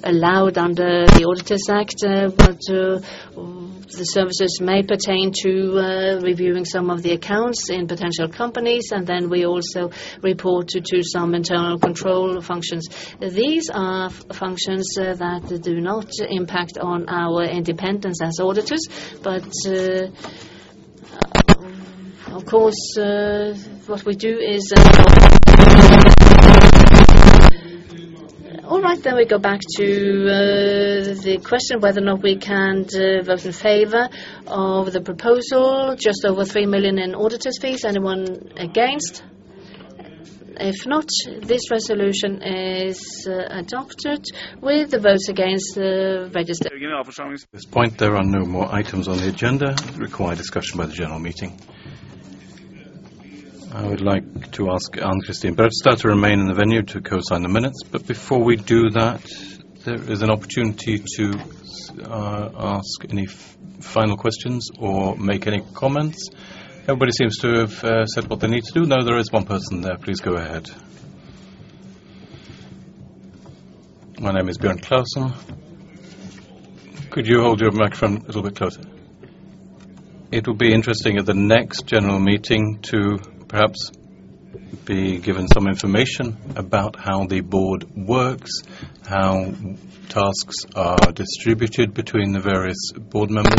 allowed under the Auditors Act, but the services may pertain to reviewing some of the accounts in potential companies, and then we also report to some internal control functions. These are functions that do not impact on our independence as auditors, but of course what we do is... All right, then we go back to the question of whether or not we can vote in favor of the proposal. Just over 3 million in auditor fees. Anyone against? If not, this resolution is adopted with the votes against the register. At this point, there are no more items on the agenda that require discussion by the General Meeting. I would like to ask Anne-Kristin Brautaset to remain in the venue to cosign the minutes. But before we do that, there is an opportunity to ask any final questions or make any comments. Everybody seems to have said what they need to do. No, there is one person there. Please go ahead. My name is Bjørn Clausen. Could you hold your microphone a little bit closer? It will be interesting at the next General Meeting to perhaps be given some information about how the Board works, how tasks are distributed between the various Board members.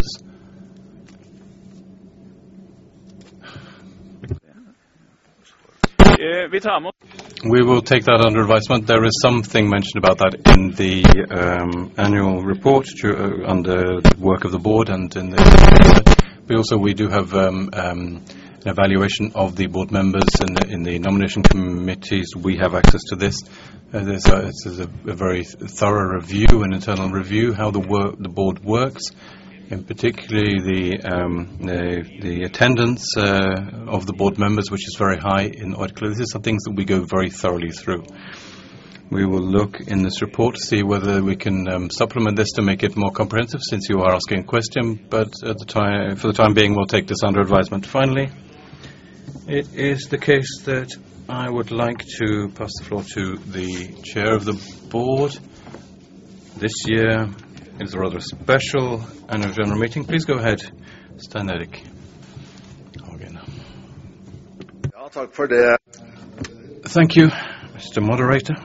We will take that under advisement. There is something mentioned about that in the Annual Report on the work of the Board and in the. But also, we do have an evaluation of the Board members in the Nomination Committees. We have access to this. This is a very thorough review, an internal review, how the Board works, and particularly the attendance of the Board members, which is very high in Orkla. These are things that we go very thoroughly through. We will look in this report to see whether we can supplement this to make it more comprehensive, since you are asking a question, but for the time being, we'll take this under advisement. Finally, it is the case that I would like to pass the floor to the chair of the Board. This year is a rather special annual General Meeting. Please go ahead, Stein Erik Hagen. I'll talk for the... Thank you, Mr. Moderator.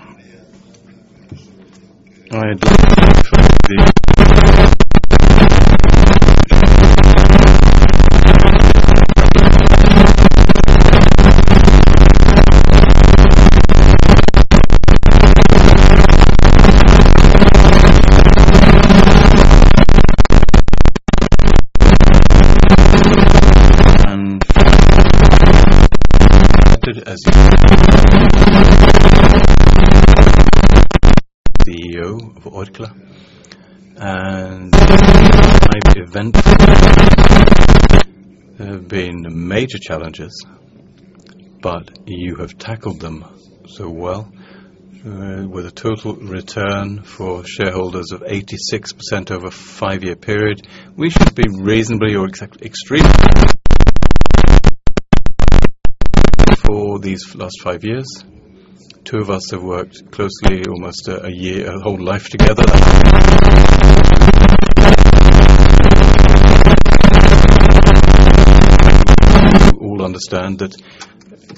As CEO of Orkla, and given the events, there have been major challenges, but you have tackled them so well, with a total return for shareholders of 86% over a five-year period. We should be reasonably, or extremely, grateful for these last five years. We've worked closely, almost a year, a whole life together. We all understand that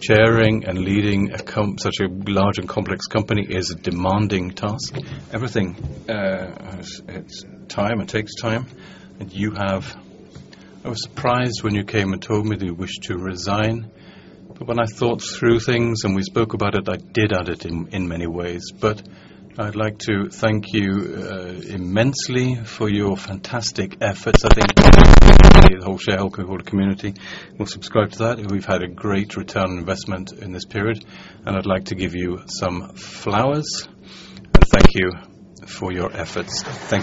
chairing and leading a company such a large and complex company is a demanding task. Everything, it takes time, and you have... I was surprised when you came and told me that you wish to resign, but when I thought through things and we spoke about it, I did understand it in many ways, but I'd like to thank you immensely for your fantastic efforts. I think the whole shareholder community will subscribe to that, and we've had a great return on investment in this period, and I'd like to give you some flowers. Thank you for your efforts. Thank you.